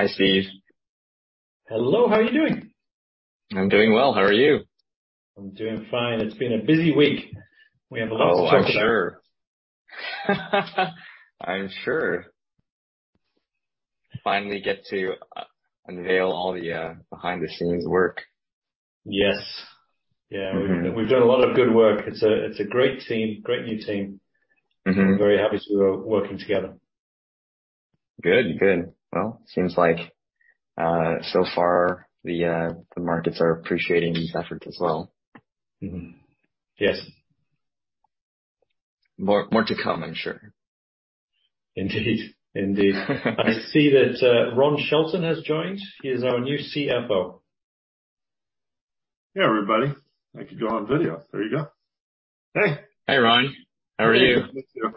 Hi, [Stephen]. Hello. How are you doing? I'm doing well. How are you? I'm doing fine. It's been a busy week. We have a lot to talk about. Oh, I'm sure. Finally get to unveil all the behind the scenes work. Yes. Yeah. Mm-hmm. We've done a lot of good work. It's a great team. Great new team. Mm-hmm. I'm very happy to be working together. Good. Well, seems like so far the markets are appreciating these efforts as well. Mm-hmm. Yes. More, more to come, I'm sure. Indeed. I see that, Ron Shelton has joined. He is our new CFO. Hey, everybody. I can go on video. There you go. Hey. Hi, Ron. How are you?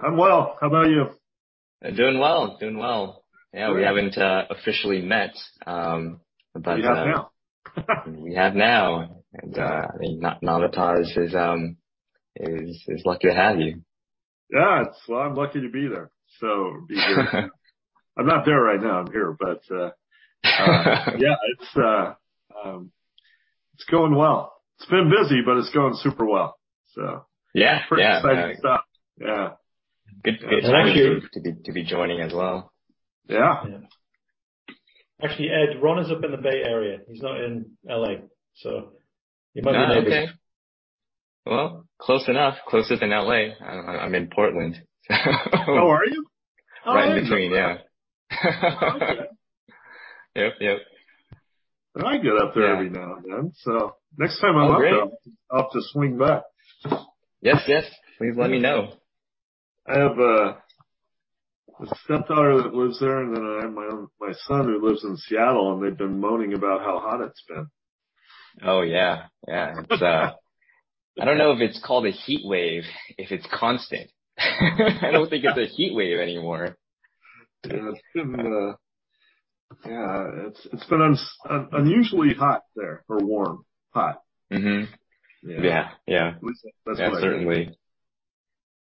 I'm well. How about you? Doing well. Yeah. We haven't officially met, but. We have now. We have now. Navitas is lucky to have you. Yeah. Well, I'm lucky to be there, so it'll be good. I'm not there right now, I'm here. Yeah, it's going well. It's been busy, but it's going super well, so. Yeah. Yeah. Pretty exciting stuff. Yeah. Good to be joining as well. Yeah. Actually, Ed, Ron is up in the Bay Area. He's not in L.A., so you might not know each other. Oh, okay. Well, close enough. Closer than L.A. I'm in Portland. Oh, are you? Right in between. Yeah. Okay. Yep. Yep. I get up there every now and then, so next time I'm up, I'll have to swing by. Yes, yes, please let me know. I have a stepdaughter that lives there, and then I have my own, my son who lives in Seattle, and they've been moaning about how hot it's been. Oh, yeah. Yeah. It's, I don't know if it's called a heat wave if it's constant. I don't think it's a heat wave anymore. Yeah. It's been unusually hot there or warm. Hot. Mm-hmm. Yeah. Yeah, yeah. That's what I said. Yeah, certainly.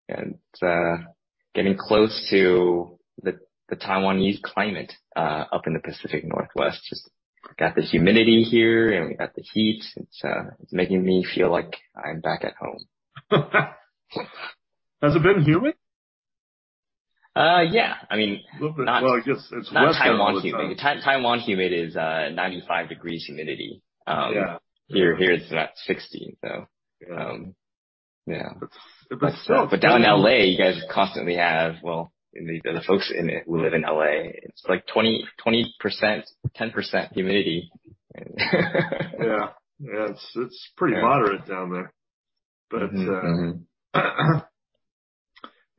It's getting close to the Taiwanese climate up in the Pacific Northwest. Just got this humidity here and we got the heat. It's making me feel like I'm back at home. Has it been humid? Yeah. I mean. Little bit. Well, I guess it's better all the time. Not Taiwan humid. Taiwan humid is 95 degrees humidity. Yeah. Here, it's about 60, so, yeah. That's not humid. down in L.A. you guys constantly have. Well, the folks in it, who live in L.A., it's like 20%, 10% humidity. Yeah. Yeah. It's pretty moderate down there. Mm-hmm.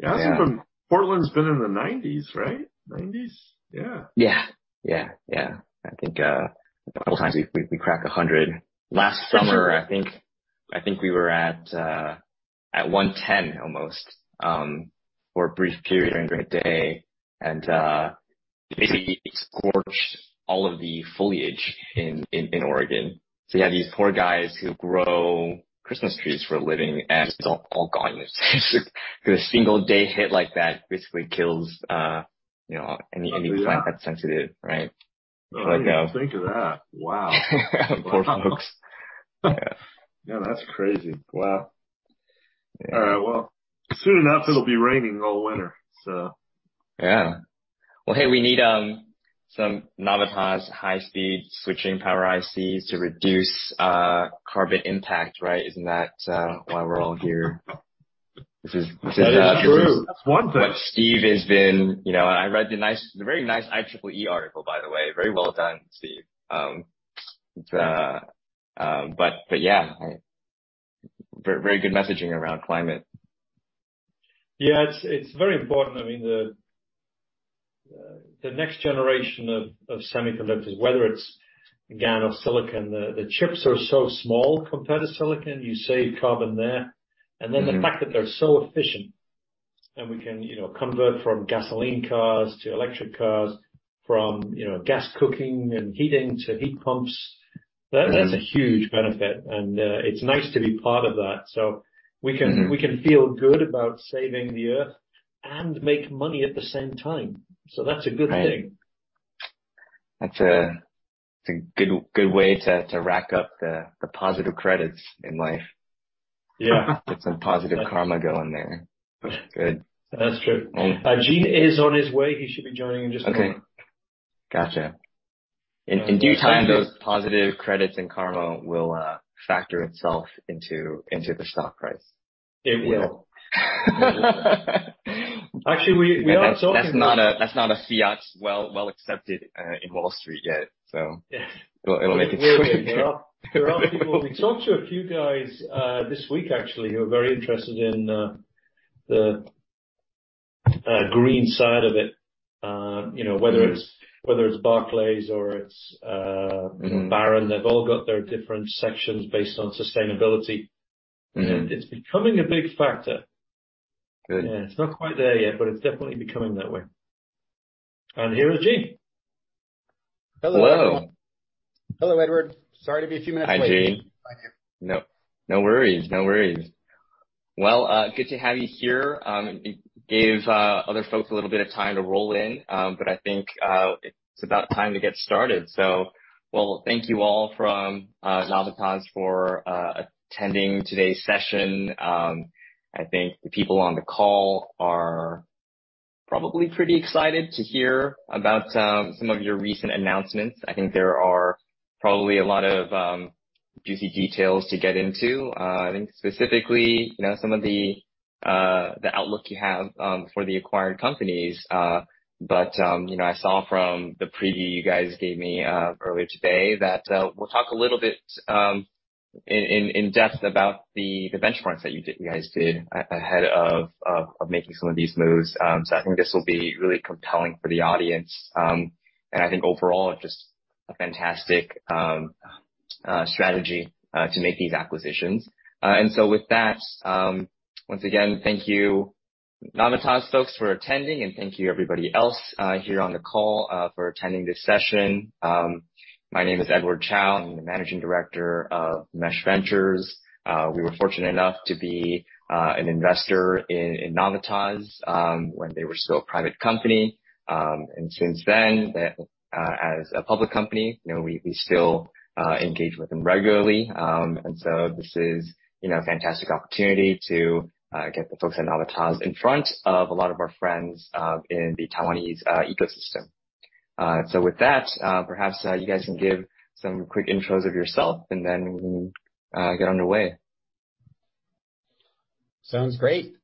Mm-hmm. Portland's been in the 90s, right? 90s? Yeah. Yeah. I think a couple times we've cracked 100. Last summer, I think we were at 110 almost for a brief period during the day. It basically scorched all of the foliage in Oregon. You had these poor guys who grow Christmas trees for a living, and it's all gone. 'Cause a single day hit like that basically kills you know any plant that's sensitive, right? Oh, I didn't think of that. Wow. Poor folks. Yeah, that's crazy. Wow. Yeah. All right. Well, soon enough it'll be raining all winter. Yeah. Well, hey, we need some Navitas high-speed switching power ICs to reduce carbon impact, right? Isn't that why we're all here? This is. That is true. That's one thing. You know, I read the very nice IEEE article, by the way. Very well done, Stephen. Yeah. Very good messaging around climate. Yeah. It's very important. I mean, the next generation of semiconductors, whether it's GaN or silicon, the chips are so small compared to silicon. You save carbon there. Mm-hmm. The fact that they're so efficient and we can, you know, convert from gasoline cars to electric cars, from, you know, gas cooking and heating to heat pumps. Mm-hmm. That's a huge benefit, and it's nice to be part of that. We can. Mm-hmm. We can feel good about saving the earth and make money at the same time. That's a good thing. Right. That's a good way to rack up the positive credits in life. Yeah. Get some positive karma going there. Good. That's true. Gene is on his way. He should be joining in just a moment. Okay. Gotcha. In due time, those positive credits and karma will factor itself into the stock price. It will. Actually, we are talking. That's not a fact well accepted in Wall Street yet, so. Yeah. It will make it. There are people. We talked to a few guys this week actually who are very interested in the green side of it. You know. Mm-hmm. Whether it's Barclays or it's Mm-hmm. Barron's, they've all got their different sections based on sustainability. Mm-hmm. It's becoming a big factor. Good. Yeah. It's not quite there yet, but it's definitely becoming that way. Here is Gene. Hello. Hello. Hello, Edward. Sorry to be a few minutes late. Hi, Gene. Thank you. No worries. Well, good to have you here. It gave other folks a little bit of time to roll in, but I think it's about time to get started. Well, thank you all from Navitas for attending today's session. I think the people on the call are probably pretty excited to hear about some of your recent announcements. I think there are probably a lot of juicy details to get into. I think specifically, you know, some of the outlook you have for the acquired companies, but you know, I saw from the preview you guys gave me earlier today that we'll talk a little bit in-depth about the benchmarks that you guys did ahead of making some of these moves. I think this will be really compelling for the audience. I think overall just a fantastic strategy to make these acquisitions. With that, once again, thank you Navitas folks for attending and thank you everybody else here on the call for attending this session. My name is Edward Chyau. I'm the Managing Director of Mesh Ventures. We were fortunate enough to be an investor in Navitas when they were still a private company. Since then, as a public company, you know, we still engage with them regularly. This is, you know, a fantastic opportunity to get the folks at Navitas in front of a lot of our friends in the Taiwanese ecosystem. With that, perhaps you guys can give some quick intros of yourself and then we can get underway. Sounds great.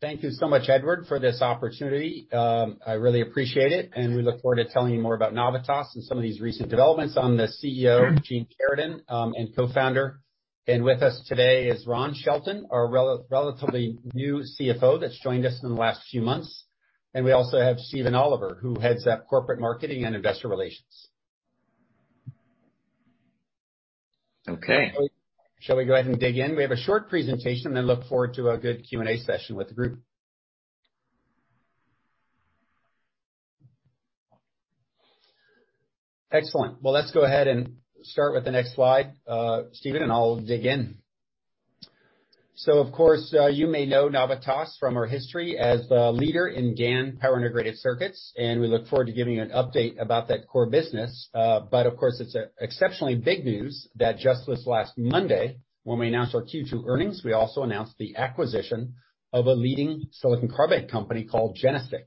Thank you so much, Edward, for this opportunity. I really appreciate it, and we look forward to telling you more about Navitas and some of these recent developments. I'm the CEO, Gene Sheridan, and co-founder. With us today is Ron Shelton, our relatively new CFO that's joined us in the last few months, and we also have Stephen Oliver, who heads up corporate marketing and investor relations. Okay. Shall we go ahead and dig in? We have a short presentation, then look forward to a good Q&A session with the group. Excellent. Well, let's go ahead and start with the next slide, Stephen, and I'll dig in. Of course, you may know Navitas from our history as the leader in GaN power integrated circuits, and we look forward to giving you an update about that core business. Of course it's exceptionally big news that just this last Monday when we announced our Q2 earnings, we also announced the acquisition of a leading silicon carbide company called GeneSiC.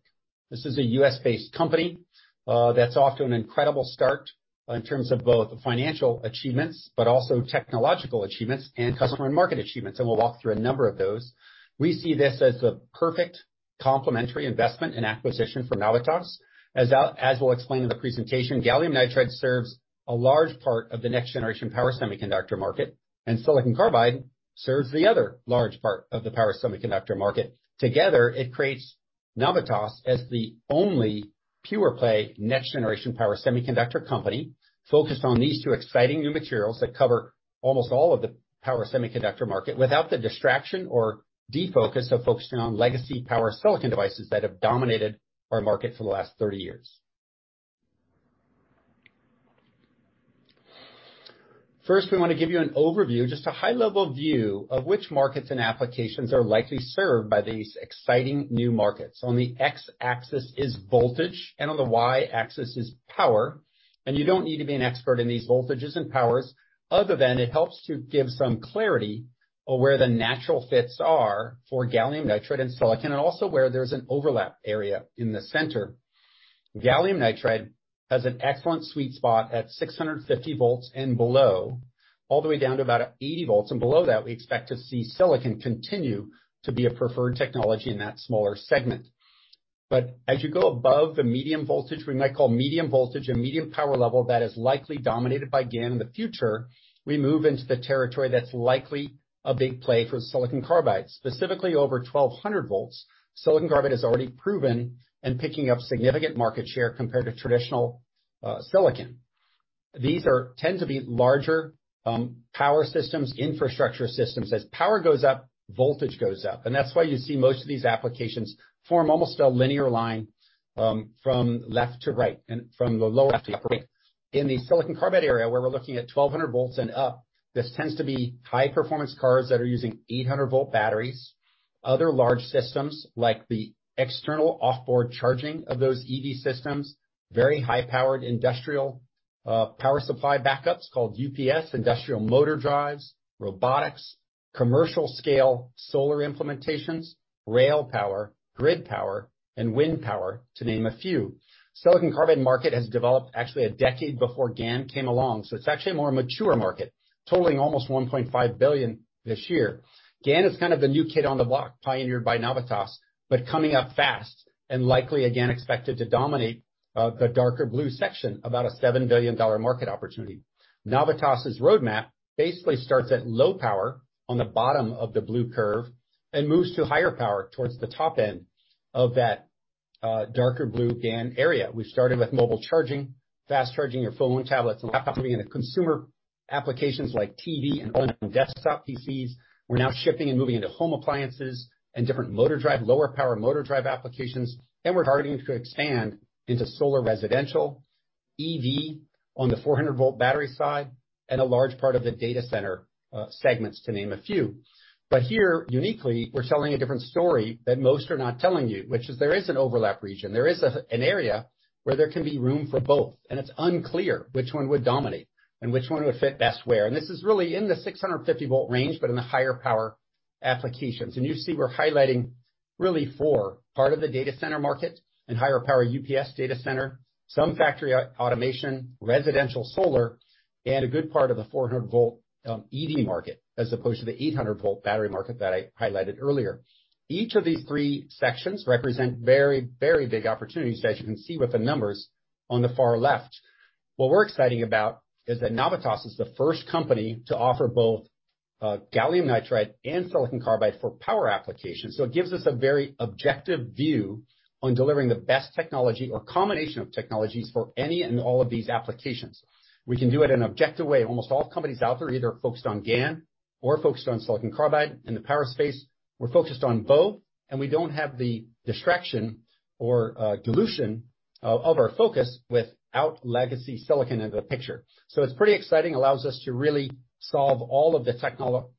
This is a U.S. based company, that's off to an incredible start in terms of both financial achievements, but also technological achievements and customer and market achievements, and we'll walk through a number of those. We see this as the perfect complementary investment and acquisition for Navitas. As we'll explain in the presentation, gallium nitride serves a large part of the next-generation power semiconductor market, and silicon carbide serves the other large part of the power semiconductor market. Together, it creates Navitas as the only pure play next-generation power semiconductor company focused on these two exciting new materials that cover almost all of the power semiconductor market without the distraction or defocus of focusing on legacy power silicon devices that have dominated our market for the last 30 years. First, we wanna give you an overview, just a high-level view of which markets and applications are likely served by these exciting new markets. On the X-axis is voltage, and on the Y-axis is power. You don't need to be an expert in these voltages and powers other than it helps to give some clarity on where the natural fits are for gallium nitride and silicon, and also where there's an overlap area in the center. Gallium nitride has an excellent sweet spot at 650 V and below, all the way down to about 80 V. Below that, we expect to see silicon continue to be a preferred technology in that smaller segment. As you go above the medium voltage, we might call medium voltage or medium power level that is likely dominated by GaN in the future, we move into the territory that's likely a big play for silicon carbide. Specifically over 1200 V, silicon carbide has already proven in picking up significant market share compared to traditional, silicon. tend to be larger, power systems, infrastructure systems. As power goes up, voltage goes up, and that's why you see most of these applications form almost a linear line, from left to right and from the lower left to upper right. In the silicon carbide area, where we're looking at 1200 V and up, this tends to be high performance cars that are using 800 V batteries. Other large systems like the external off-board charging of those EV systems, very high-powered industrial, power supply backups called UPS, industrial motor drives, robotics, commercial scale solar implementations, rail power, grid power, and wind power to name a few. silicon carbide market has developed actually a decade before GaN came along, so it's actually a more mature market, totaling almost $1.5 billion this year. GaN is kind of the new kid on the block, pioneered by Navitas, but coming up fast and likely again expected to dominate, the darker blue section, about a $7 billion market opportunity. Navitas' roadmap basically starts at low power on the bottom of the blue curve and moves to higher power towards the top end of that, darker blue GaN area. We started with mobile charging, fast charging your phone, tablets, and laptops in consumer applications like TV and desktop PCs. We're now shifting and moving into home appliances and different motor drive, lower power motor drive applications. We're starting to expand into solar residential, EV on the 400 V battery side, and a large part of the data center segments, to name a few. Here, uniquely, we're telling a different story that most are not telling you, which is there is an overlap region. There is an area where there can be room for both, and it's unclear which one would dominate and which one would fit best where. This is really in the 650 V range, but in the higher power applications. You see we're highlighting really four, part of the data center market and higher power UPS data center, some factory automation, residential solar, and a good part of the 400 V EV market, as opposed to the 800 V battery market that I highlighted earlier. Each of these three sections represent very, very big opportunities, as you can see with the numbers on the far left. What we're excited about is that Navitas is the first company to offer both, gallium nitride and silicon carbide for power applications. It gives us a very objective view on delivering the best technology or combination of technologies for any and all of these applications. We can do it in an objective way. Almost all companies out there are either focused on GaN or focused on silicon carbide in the power space. We're focused on both, and we don't have the distraction or, dilution of our focus without legacy silicon in the picture. It's pretty exciting. Allows us to really solve all of the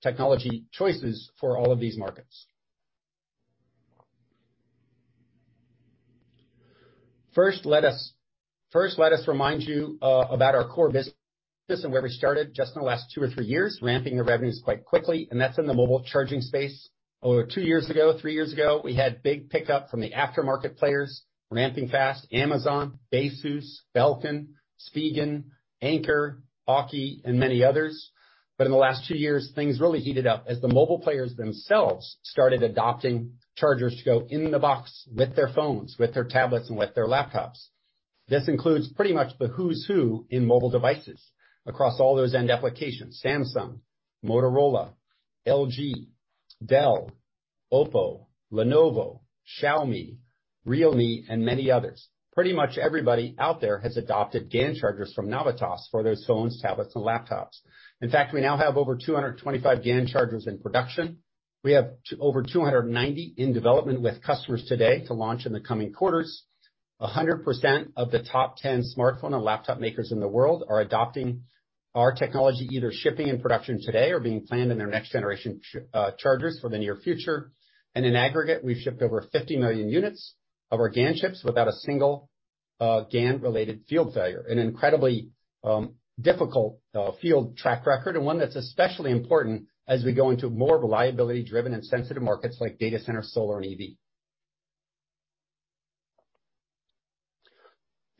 technology choices for all of these markets. First, let us remind you about our core business and where we started just in the last two or three years, ramping the revenues quite quickly, and that's in the mobile charging space. Over two years ago, three years ago, we had big pickup from the aftermarket players ramping fast, Amazon, Baseus, Belkin, Spigen, Anker, Aukey, and many others. In the last two years, things really heated up as the mobile players themselves started adopting chargers to go in the box with their phones, with their tablets, and with their laptops. This includes pretty much the who's who in mobile devices across all those end applications. Samsung, Motorola, LG, Dell, OPPO, Lenovo, Xiaomi, Realme, and many others. Pretty much everybody out there has adopted GaN chargers from Navitas for those phones, tablets, and laptops. In fact, we now have over 225 GaN chargers in production. We have over 290 in development with customers today to launch in the coming quarters. 100% of the top 10 smartphone and laptop makers in the world are adopting our technology, either shipping in production today or being planned in their next generation chargers for the near future. In aggregate, we've shipped over 50 million units of our GaN chips without a single GaN related field failure. An incredibly difficult field track record and one that's especially important as we go into more reliability-driven and sensitive markets like data center, solar, and EV.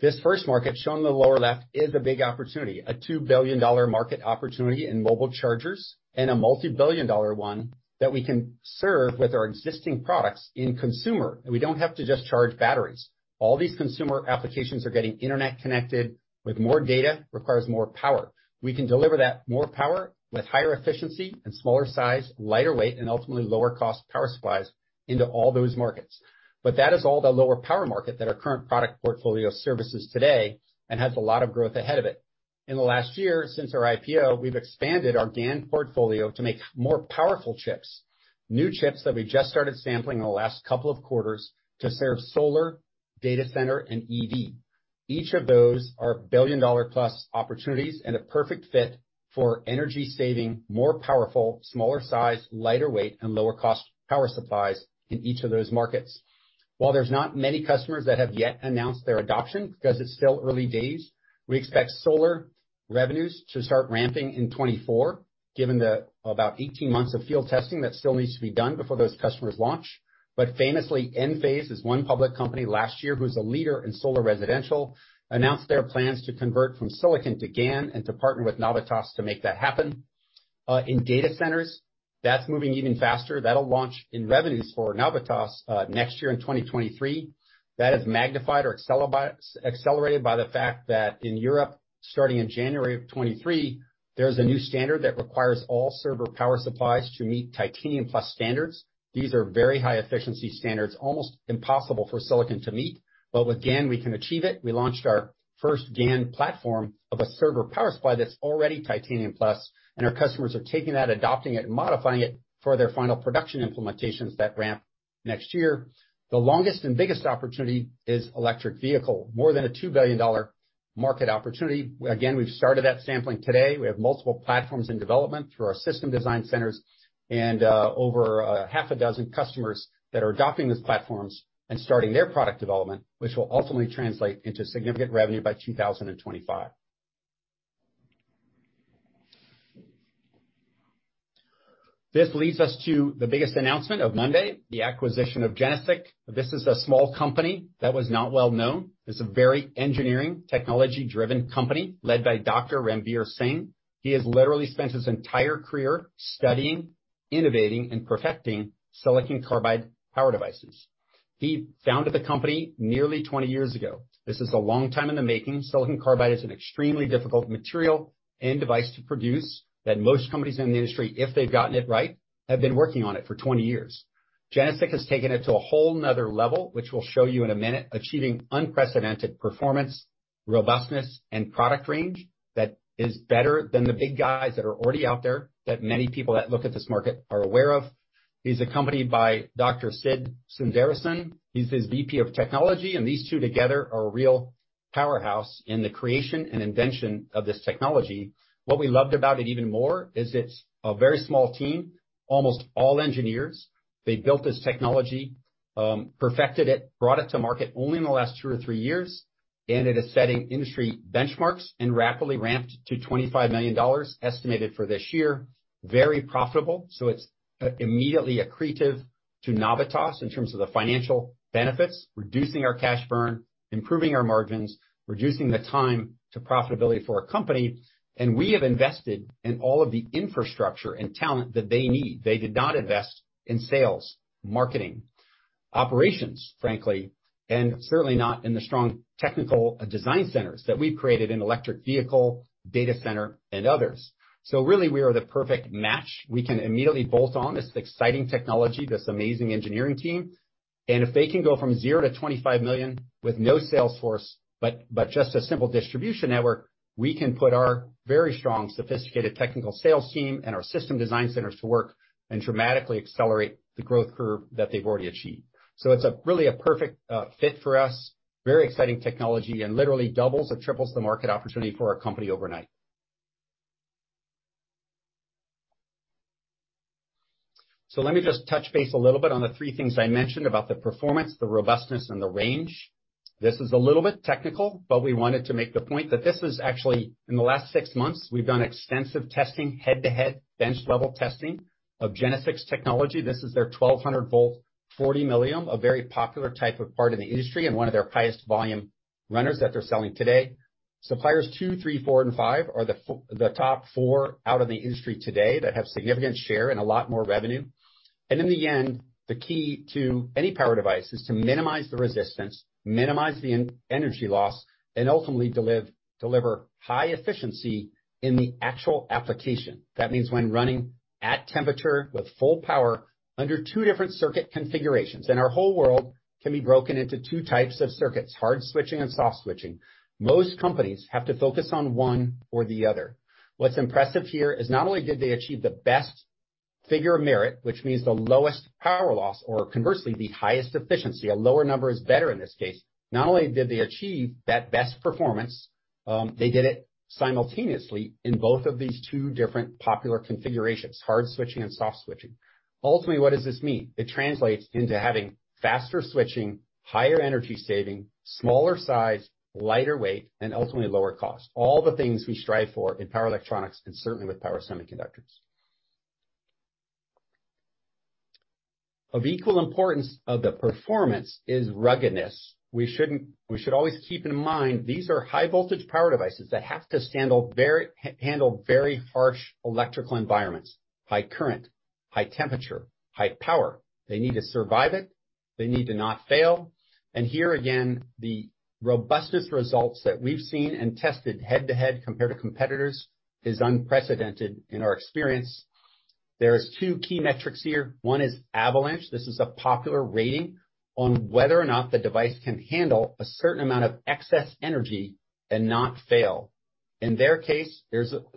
This first market, shown in the lower left, is a big opportunity, a $2 billion market opportunity in mobile chargers and a multi billion dollar one that we can serve with our existing products in consumer, and we don't have to just charge batteries. All these consumer applications are getting internet connected with more data, requires more power. We can deliver that more power with higher efficiency and smaller size, lighter weight, and ultimately lower cost power supplies into all those markets. That is all the lower power market that our current product portfolio services today and has a lot of growth ahead of it. In the last year, since our IPO, we've expanded our GaN portfolio to make more powerful chips, new chips that we just started sampling in the last couple of quarters to serve solar, data center, and EV. Each of those are billion dollar plus opportunities and a perfect fit for energy saving, more powerful, smaller size, lighter weight, and lower cost power supplies in each of those markets. While there's not many customers that have yet announced their adoption because it's still early days, we expect solar revenues to start ramping in 2024, given the about 18 months of field testing that still needs to be done before those customers launch. Famously, Enphase is one public company last year who's a leader in solar residential, announced their plans to convert from silicon to GaN and to partner with Navitas to make that happen. In data centers, that's moving even faster. That'll launch in revenues for Navitas, next year in 2023. That is magnified or accelerated by the fact that in Europe, starting in January of 2023, there's a new standard that requires all server power supplies to meet Titanium Plus standards. These are very high efficiency standards, almost impossible for silicon to meet. But with GaN, we can achieve it. We launched our first GaN platform of a server power supply that's already Titanium Plus, and our customers are taking that, adopting it, and modifying it for their final production implementations that ramp next year. The longest and biggest opportunity is electric vehicle, more than a $2 billion market opportunity. Again, we've started that sampling today. We have multiple platforms in development through our system design centers and over half a dozen customers that are adopting these platforms and starting their product development, which will ultimately translate into significant revenue by 2025. This leads us to the biggest announcement of Monday, the acquisition of GeneSiC. This is a small company that was not well-known. It's a very engineering technology-driven company led by Dr. Ranbir Singh. He has literally spent his entire career studying, innovating, and perfecting silicon carbide power devices. He founded the company nearly 20 years ago. This is a long time in the making. Silicon carbide is an extremely difficult material and device to produce that most companies in the industry, if they've gotten it right, have been working on it for 20 years. GeneSiC has taken it to a whole another level, which we'll show you in a minute, achieving unprecedented performance, robustness, and product range that is better than the big guys that are already out there, that many people that look at this market are aware of. He's accompanied by Dr. Sid Sundaresan, he's the VP of Technology, and these two together are a real powerhouse in the creation and invention of this technology. What we loved about it even more is it's a very small team, almost all engineers. They built this technology, perfected it, brought it to market only in the last two or three years, and it is setting industry benchmarks and rapidly ramped to $25 million estimated for this year. Very profitable, so it's immediately accretive to Navitas in terms of the financial benefits, reducing our cash burn, improving our margins, reducing the time to profitability for our company. We have invested in all of the infrastructure and talent that they need. They did not invest in sales, marketing, operations, frankly, and certainly not in the strong technical design centers that we've created in electric vehicle, data center, and others. Really we are the perfect match. We can immediately bolt on this exciting technology, this amazing engineering team. If they can go from zero to $25 million with no sales force, but just a simple distribution network, we can put our very strong, sophisticated technical sales team and our system design centers to work and dramatically accelerate the growth curve that they've already achieved. It's a really a perfect fit for us, very exciting technology, and literally doubles or triples the market opportunity for our company overnight. Let me just touch base a little bit on the three things I mentioned about the performance, the robustness, and the range. This is a little bit technical, but we wanted to make the point that this is actually in the last six months, we've done extensive testing, head-to-head bench-level testing of GeneSiC technology. This is their 1200 V, 40-milliohm, a very popular type of part in the industry and one of their highest volume runners that they're selling today. Suppliers two, three, four and five are the top four out in the industry today that have significant share and a lot more revenue. In the end, the key to any power device is to minimize the resistance, minimize the energy loss, and ultimately deliver high efficiency in the actual application. That means when running at temperature with full power under two different circuit configurations. Our whole world can be broken into two types of circuits, hard switching and soft switching. Most companies have to focus on one or the other. What's impressive here is not only did they achieve the best figure of merit, which means the lowest power loss or conversely, the highest efficiency, a lower number is better in this case. Not only did they achieve that best performance, they did it simultaneously in both of these two different popular configurations, hard switching and soft switching. Ultimately, what does this mean? It translates into having faster switching, higher energy saving, smaller size, lighter weight, and ultimately lower cost. All the things we strive for in power electronics, and certainly with power semiconductors. Of equal importance to the performance is ruggedness. We should always keep in mind, these are high voltage power devices that have to withstand very harsh electrical environments, high current, high temperature, high power. They need to survive it. They need to not fail. Here again, the robustness results that we've seen and tested head-to-head compared to competitors is unprecedented in our experience. There's two key metrics here. One is avalanche. This is a popular rating on whether or not the device can handle a certain amount of excess energy and not fail. In their case,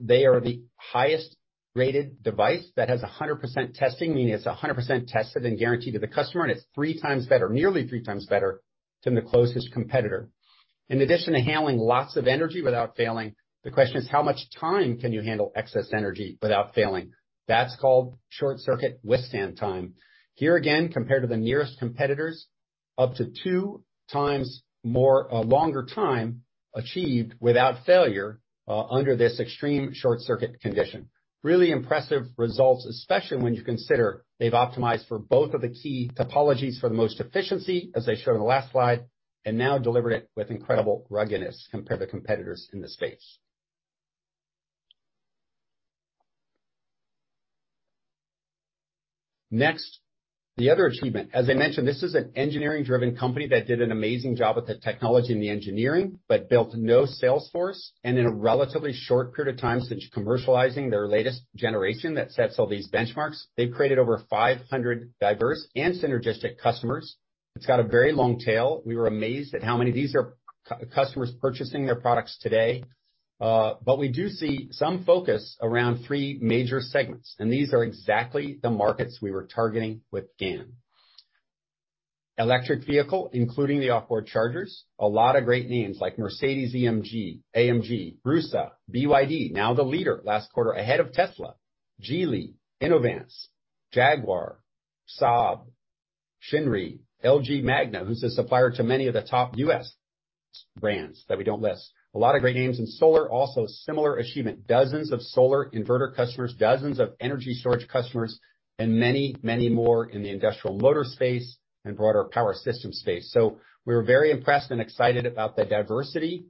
they are the highest rated device that has 100% testing, meaning it's 100% tested and guaranteed to the customer, and it's three times better, nearly three times better than the closest competitor. In addition to handling lots of energy without failing, the question is, how much time can you handle excess energy without failing? That's called short circuit withstand time. Here again, compared to the nearest competitors, up to two times more, longer time achieved without failure, under this extreme short circuit condition. Really impressive results, especially when you consider they've optimized for both of the key topologies for the most efficiency, as I showed in the last slide, and now delivered it with incredible ruggedness compared to competitors in the space. Next, the other achievement. As I mentioned, this is an engineering driven company that did an amazing job with the technology and the engineering, but built no sales force, and in a relatively short period of time since commercializing their latest generation that sets all these benchmarks, they've created over 500 diverse and synergistic customers. It's got a very long tail. We were amazed at how many of these are customers purchasing their products today. But we do see some focus around three major segments, and these are exactly the markets we were targeting with GaN. Electric vehicle, including the off-board chargers. A lot of great names like Mercedes-Benz, AMG, Mercedes-AMG, BRUSA Elektronik AG, BYD Company, now the leader last quarter ahead of Tesla, Inc., Geely, Inovance, Jaguar, Saab, Shinry, LG Magna e-Powertrain, who's a supplier to many of the top U.S. brands that we don't list. A lot of great names in solar, also similar achievement. Dozens of solar inverter customers, dozens of energy storage customers, and many, many more in the industrial motor space and broader power system space. We're very impressed and excited about the diversity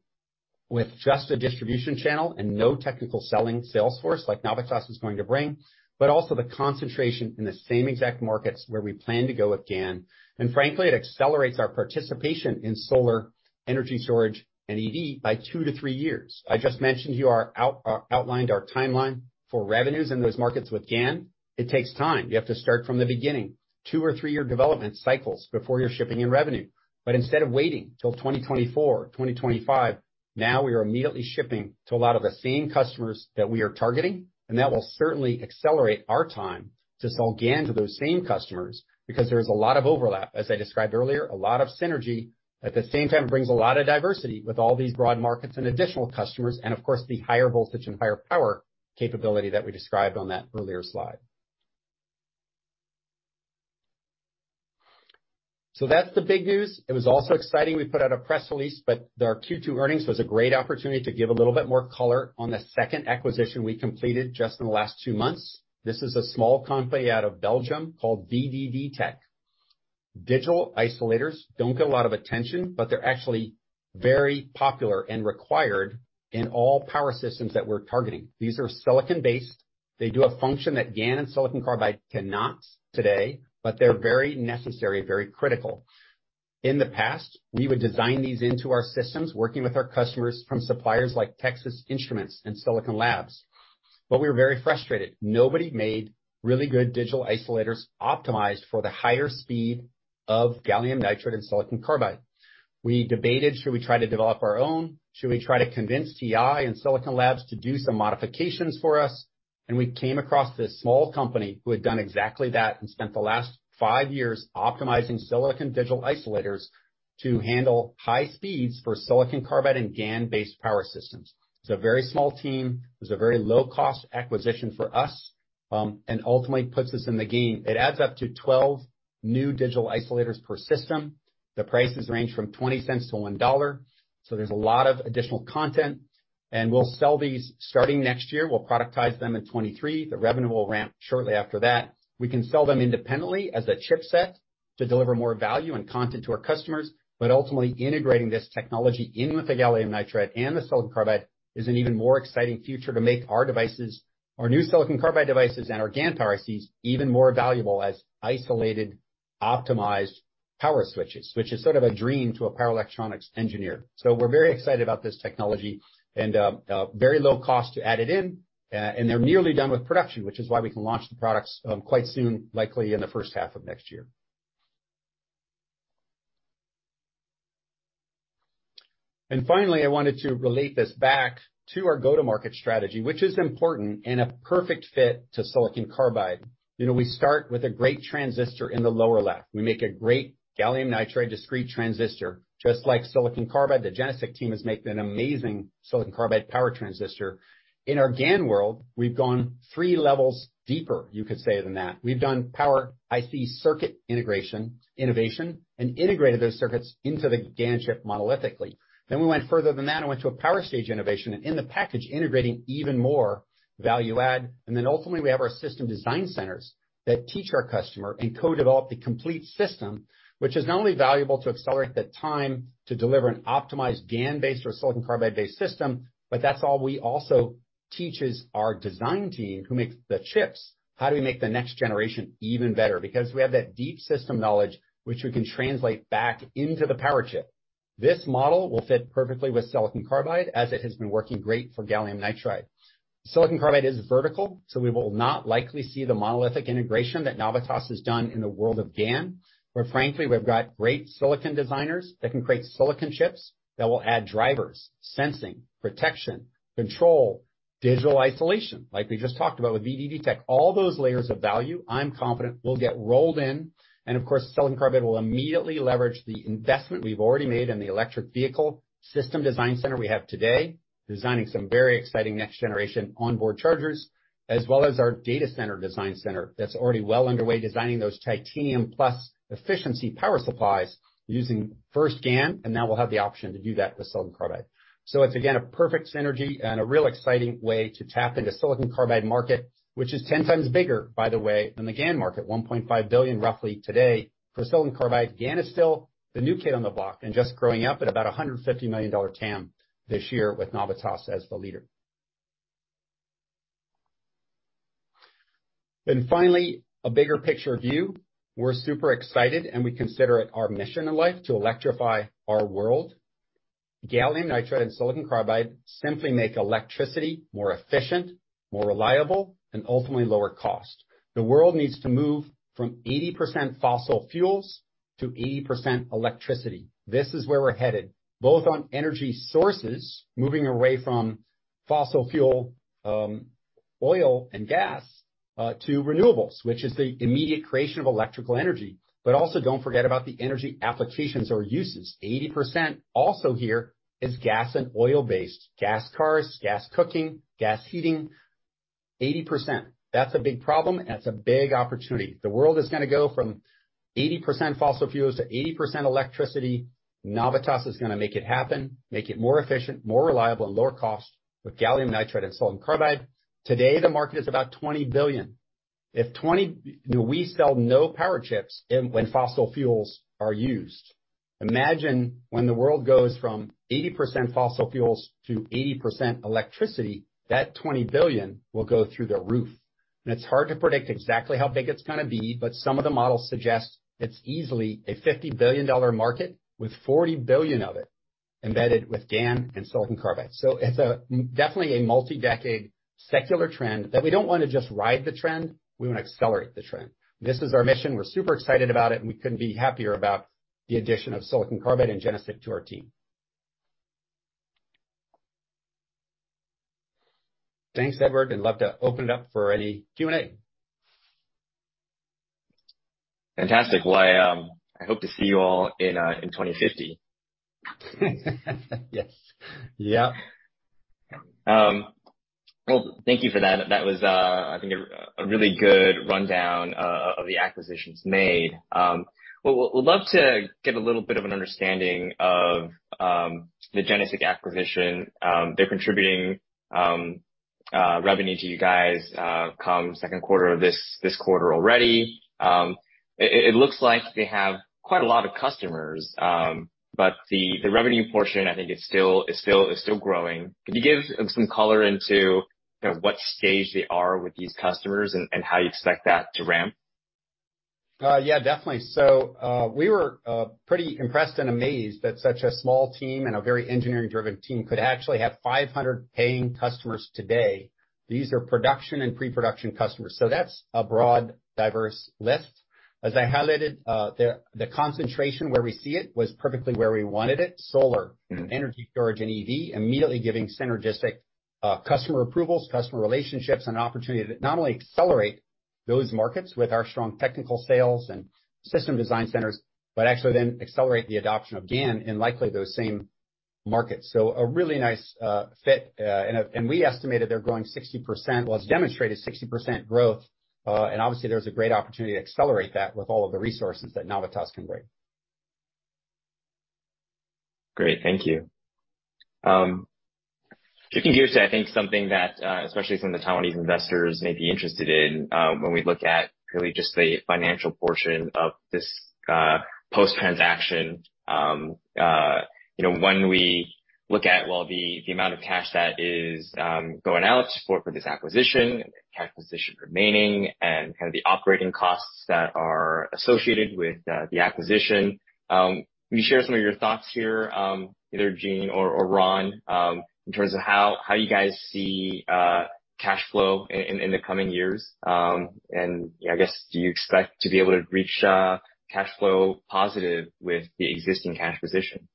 with just a distribution channel and no technical selling sales force like Navitas is going to bring, but also the concentration in the same exact markets where we plan to go with GaN. Frankly, it accelerates our participation in solar energy storage and EV by two -three years. I just mentioned to you we outlined our timeline for revenues in those markets with GaN. It takes time. You have to start from the beginning. Two or three year development cycles before you're shipping in revenue. Instead of waiting till 2024, 2025, now we are immediately shipping to a lot of the same customers that we are targeting, and that will certainly accelerate our time to sell GaN to those same customers because there is a lot of overlap, as I described earlier, a lot of synergy. At the same time, it brings a lot of diversity with all these broad markets and additional customers and of course, the higher voltage and higher power capability that we described on that earlier slide. That's the big news. It was also exciting. We put out a press release, but our Q2 earnings was a great opportunity to give a little bit more color on the second acquisition we completed just in the last two months. This is a small company out of Belgium called VDD Tech. Digital isolators don't get a lot of attention, but they're actually very popular and required in all power systems that we're targeting. These are silicon-based. They do a function that GaN and silicon carbide cannot today, but they're very necessary, very critical. In the past, we would design these into our systems, working with our customers from suppliers like Texas Instruments and Silicon Labs. We were very frustrated. Nobody made really good digital isolators optimized for the higher speed of gallium nitride and silicon carbide. We debated, should we try to develop our own? Should we try to convince TI and Silicon Labs to do some modifications for us? We came across this small company who had done exactly that and spent the last five years optimizing silicon digital isolators to handle high speeds for silicon carbide and GaN-based power systems. It's a very small team. It was a very low cost acquisition for us, and ultimately puts us in the game. It adds up to 12 new digital isolators per system. The prices range from $0.20-$1, so there's a lot of additional content, and we'll sell these starting next year. We'll productize them in 2023. The revenue will ramp shortly after that. We can sell them independently as a chipset to deliver more value and content to our customers. Ultimately, integrating this technology in with the gallium nitride and the silicon carbide is an even more exciting future to make our devices, our new silicon carbide devices and our GaN ICs even more valuable as isolated, optimized power switches, which is sort of a dream to a power electronics engineer. We're very excited about this technology and very low cost to add it in. They're nearly done with production, which is why we can launch the products quite soon, likely in the first half of next year. Finally, I wanted to relate this back to our go-to-market strategy, which is important and a perfect fit to silicon carbide. You know, we start with a great transistor in the lower left. We make a great gallium nitride discrete transistor, just like silicon carbide. The GeneSiC team has made an amazing silicon carbide power transistor. In our GaN world, we've gone three levels deeper, you could say, than that. We've done power IC circuit integration, innovation, and integrated those circuits into the GaN chip monolithically. We went further than that and went to a power stage innovation and in the package, integrating even more value add. Ultimately, we have our system design centers that teach our customer and co-develop the complete system, which is not only valuable to accelerate the time to deliver an optimized GaN-based or silicon carbide-based system, but that's all we also teach is our design team who makes the chips. How do we make the next generation even better? Because we have that deep system knowledge which we can translate back into the power chip. This model will fit perfectly with silicon carbide as it has been working great for gallium nitride. Silicon carbide is vertical, so we will not likely see the monolithic integration that Navitas has done in the world of GaN, where frankly, we've got great silicon designers that can create silicon chips that will add drivers, sensing, protection, control, digital isolation, like we just talked about with VDD Tech, all those layers of value I'm confident will get rolled in. Of course, silicon carbide will immediately leverage the investment we've already made in the electric vehicle system design center we have today, designing some very exciting next-generation onboard chargers, as well as our data center design center that's already well underway, designing those Titanium Plus efficiency power supplies using first GaN, and now we'll have the option to do that with silicon carbide. It's again, a perfect synergy and a real exciting way to tap into silicon carbide market, which is ten times bigger, by the way, than the GaN market. $1.5 billion roughly today for silicon carbide. GaN is still the new kid on the block and just growing up at about a $150 million TAM this year with Navitas as the leader. Finally, a bigger picture view. We're super excited, and we consider it our mission in life to electrify our world. Gallium nitride and silicon carbide simply make electricity more efficient, more reliable, and ultimately lower cost. The world needs to move from 80% fossil fuels to 80% electricity. This is where we're headed, both on energy sources, moving away from fossil fuel, oil and gas, to renewables, which is the immediate creation of electrical energy. Also don't forget about the energy applications or uses. 80% also here is gas and oil-based. Gas cars, gas cooking, gas heating, 80%. That's a big problem. That's a big opportunity. The world is gonna go from 80% fossil fuels to 80% electricity. Navitas is gonna make it happen, make it more efficient, more reliable, and lower cost with gallium nitride and silicon carbide. Today, the market is about $20 billion. We sell no power chips when fossil fuels are used. Imagine when the world goes from 80% fossil fuels to 80% electricity, that $20 billion will go through the roof. It's hard to predict exactly how big it's gonna be, but some of the models suggest it's easily a $50 billion market with $40 billion of it embedded with GaN and silicon carbide. It's definitely a multi-decade secular trend that we don't wanna just ride the trend, we wanna accelerate the trend. This is our mission. We're super excited about it, and we couldn't be happier about the addition of silicon carbide and GeneSiC to our team. Thanks, Edward. I'd love to open it up for any Q&A. Fantastic. Well, I hope to see you all in 2050. Yes. Yep. Well, thank you for that. That was, I think a really good rundown of the acquisitions made. We'd love to get a little bit of an understanding of the GeneSiC acquisition. They're contributing revenue to you guys come second quarter of this quarter already. It looks like they have quite a lot of customers, but the revenue portion, I think is still growing. Can you give some color into, you know, what stage they are with these customers and how you expect that to ramp? Yeah, definitely. We were pretty impressed and amazed that such a small team and a very engineering-driven team could actually have 500 paying customers today. These are production and pre-production customers. That's a broad, diverse lift. As I highlighted, the concentration where we see it was perfectly where we wanted it, solar, energy storage, and EV, immediately giving synergistic customer approvals, customer relationships, and opportunity to not only accelerate those markets with our strong technical sales and system design centers, but actually then accelerate the adoption of GaN in likely those same markets. A really nice fit. And we estimated they're growing 60%. Well, it's demonstrated 60% growth, and obviously there's a great opportunity to accelerate that with all of the resources that Navitas can bring. Great. Thank you. Shifting gears to, I think, something that especially some of the Taiwanese investors may be interested in, when we look at really just the financial portion of this post-transaction, you know, when we look at, well, the amount of cash that is going out to support for this acquisition, the cash position remaining, and kind of the operating costs that are associated with the acquisition, can you share some of your thoughts here, either Gene or Ron, in terms of how you guys see cash flow in the coming years? You know, I guess, do you expect to be able to reach cash flow positive with the existing cash position?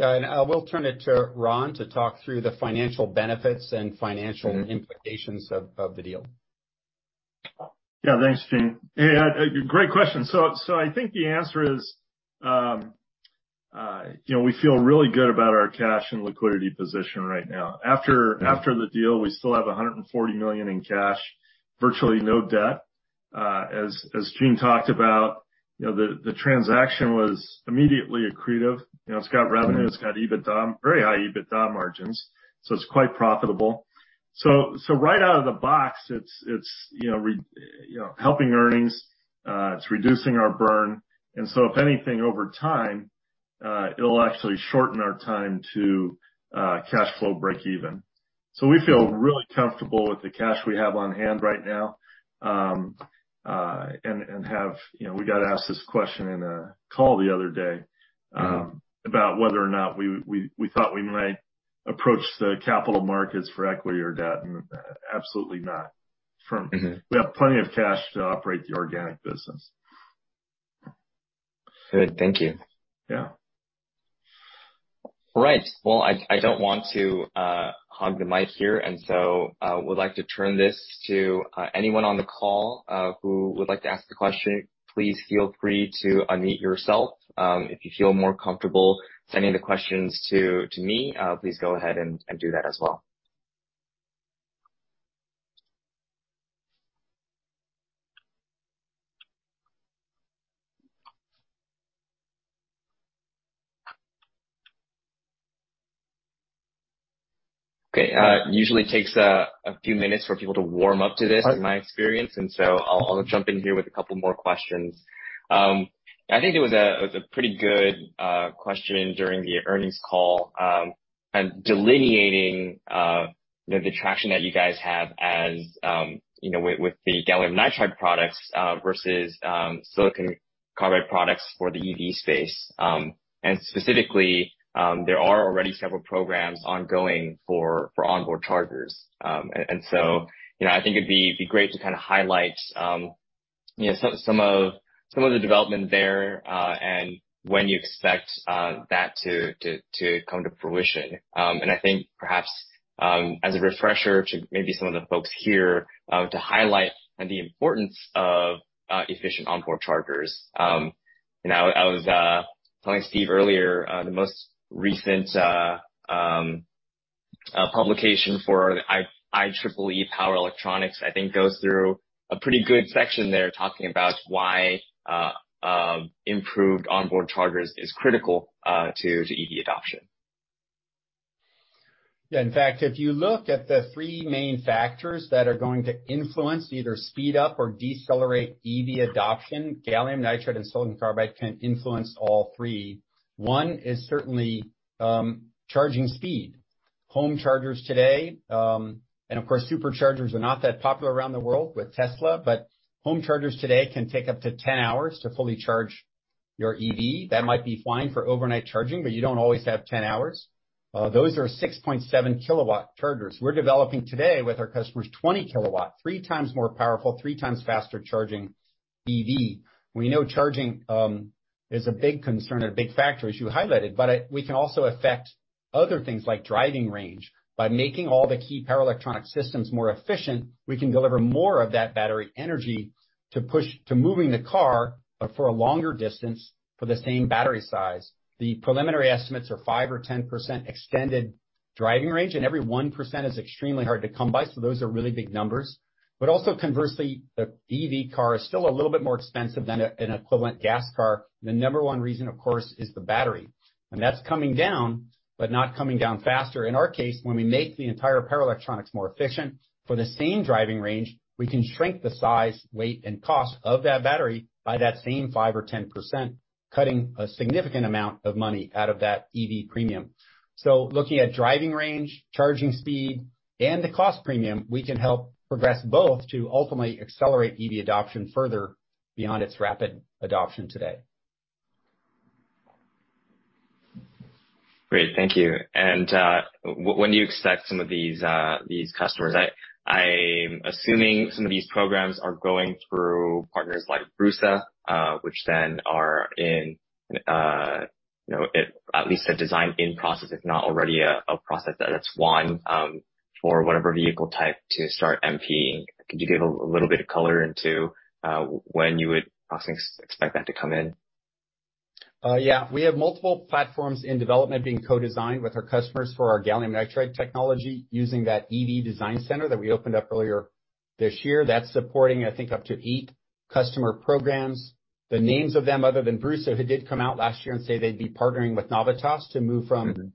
I will turn it to Ron to talk through the financial benefits. Mm-hmm. Implications of the deal. Yeah. Thanks, Gene. Yeah, great question. I think the answer is, you know, we feel really good about our cash and liquidity position right now. After the deal, we still have $140 million in cash, virtually no debt. As Gene talked about, you know, the transaction was immediately accretive. You know, it's got revenue, it's got EBITDA, very high EBITDA margins, so it's quite profitable. Right out of the box, it's you know, helping earnings, it's reducing our burn, and if anything, over time, it'll actually shorten our time to cash flow break even. We feel really comfortable with the cash we have on hand right now, and have. You know, we got asked this question in a call the other day. Mm-hmm. About whether or not we thought we might approach the capital markets for equity or debt. Absolutely not. From. Mm-hmm. We have plenty of cash to operate the organic business. Good. Thank you. Yeah. All right. Well, I don't want to hog the mic here, and so would like to turn this to anyone on the call who would like to ask a question, please feel free to unmute yourself. If you feel more comfortable sending the questions to me, please go ahead and do that as well. Okay. Usually takes a few minutes for people to warm up to this. Right. In my experience, I'll jump in here with a couple more questions. I think there was a pretty good question during the earnings call, kind of delineating, you know, the traction that you guys have, you know, with the gallium nitride products, versus silicon carbide products for the EV space. Specifically, there are already several programs ongoing for onboard chargers. You know, I think it'd be great to kind of highlight, you know, some of the development there, and when you expect that to come to fruition. I think perhaps, as a refresher to maybe some of the folks here, to highlight on the importance of efficient onboard chargers. You know, I was telling Stephen earlier, the most recent publication for IEEE power electronics, I think, goes through a pretty good section there talking about why improved onboard chargers is critical to EV adoption. Yeah. In fact, if you look at the three main factors that are going to influence, either speed up or decelerate EV adoption, Gallium Nitride and Silicon Carbide can influence all three. One is certainly charging speed. Home chargers today, and of course Superchargers are not that popular around the world with Tesla, but home chargers today can take up to 10 hours to fully charge your EV. That might be fine for overnight charging, but you don't always have 10 hours. Those are 6.7 kW chargers. We're developing today with our customers 20 kW, three times more powerful, three times faster charging EV. We know charging is a big concern or a big factor, as you highlighted, but we can also affect other things like driving range. By making all the key power electronic systems more efficient, we can deliver more of that battery energy to push to moving the car, but for a longer distance for the same battery size. The preliminary estimates are 5% or 10% extended driving range, and every 1% is extremely hard to come by, so those are really big numbers. Also conversely, the EV car is still a little bit more expensive than an equivalent gas car. The number one reason, of course, is the battery, and that's coming down, but not coming down faster. In our case, when we make the entire power electronics more efficient for the same driving range, we can shrink the size, weight, and cost of that battery by that same 5% or 10%, cutting a significant amount of money out of that EV premium. Looking at driving range, charging speed, and the cost premium, we can help progress both to ultimately accelerate EV adoption further beyond its rapid adoption today. Great. Thank you. When do you expect some of these customers? I'm assuming some of these programs are going through partners like BRUSA, which then are in, you know, at least a design-in process if not already a process that's won, for whatever vehicle type to start MP-ing. Could you give a little bit of color into when you would approximately expect that to come in? We have multiple platforms in development being co-designed with our customers for our gallium nitride technology using that EV design center that we opened up earlier this year. That's supporting, I think, up to eight customer programs. The names of them, other than BRUSA, who did come out last year and say they'd be partnering with Navitas to move from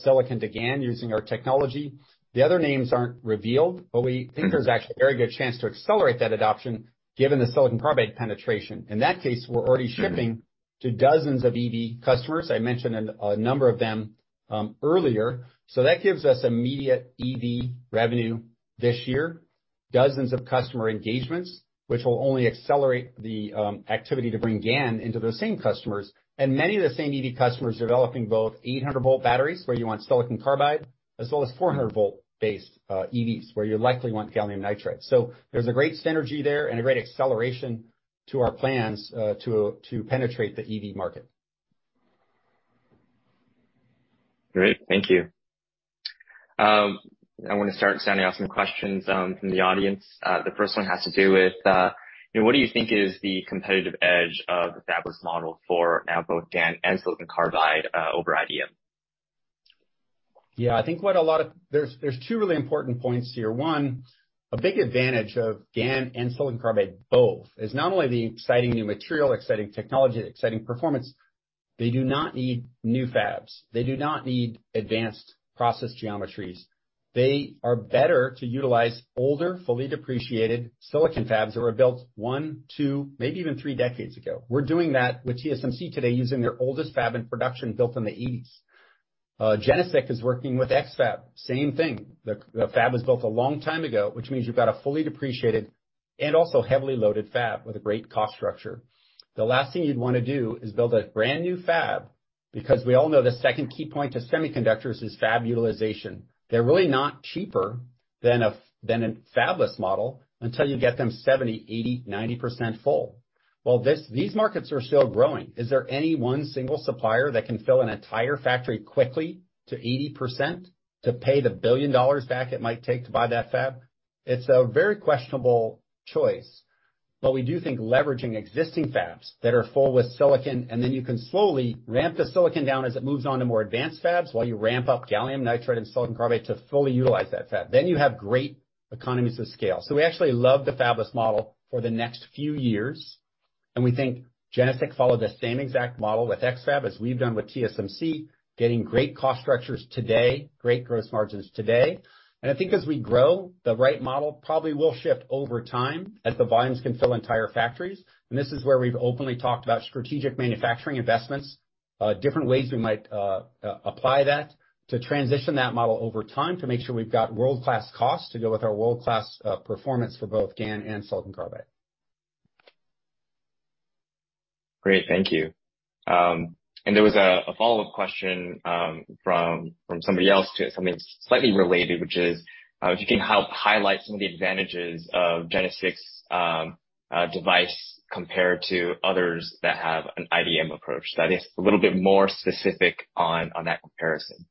silicon to GaN using our technology. The other names aren't revealed, but we think there's actually a very good chance to accelerate that adoption given the silicon carbide penetration. In that case, we're already shipping to dozens of EV customers. I mentioned a number of them earlier. That gives us immediate EV revenue this year. Dozens of customer engagements, which will only accelerate the activity to bring GaN into those same customers. Many of the same EV customers are developing both 800 V batteries, where you want silicon carbide, as well as 400 V based EVs, where you likely want gallium nitride. There's a great synergy there and a great acceleration to our plans to penetrate the EV market. Great. Thank you. I wanna start sending out some questions from the audience. The first one has to do with, you know, what do you think is the competitive edge of the fabless model for Navitas both GaN and silicon carbide over IDM? Yeah. I think there's two really important points here. One, a big advantage of GaN and silicon carbide both is not only the exciting new material, exciting technology, exciting performance, they do not need new fabs. They do not need advanced process geometries. They are better to utilize older, fully depreciated silicon fabs that were built one, two, maybe even three decades ago. We're doing that with TSMC today using their oldest fab in production built in the eighties. GeneSiC is working with X-FAB, same thing. The fab was built a long time ago, which means you've got a fully depreciated and also heavily loaded fab with a great cost structure. The last thing you'd wanna do is build a brand-new fab, because we all know the second key point to semiconductors is fab utilization. They're really not cheaper than a fabless model until you get them 70%, 80%, 90% full. While these markets are still growing, is there any one single supplier that can fill an entire factory quickly to 80% to pay the $1 billion back it might take to buy that fab? It's a very questionable choice. We do think leveraging existing fabs that are full with silicon, and then you can slowly ramp the silicon down as it moves on to more advanced fabs while you ramp up gallium nitride and silicon carbide to fully utilize that fab. You have great economies of scale. We actually love the fabless model for the next few years, and we think GeneSiC followed the same exact model with X-FAB as we've done with TSMC, getting great cost structures today, great gross margins today. I think as we grow, the right model probably will shift over time as the volumes can fill entire factories. This is where we've openly talked about strategic manufacturing investments, different ways we might apply that to transition that model over time to make sure we've got world-class costs to go with our world-class performance for both GaN and silicon carbide. Great. Thank you. There was a follow-up question from somebody else to something slightly related, which is if you can help highlight some of the advantages of GeneSiC's device compared to others that have an IDM approach that is a little bit more specific on that comparison.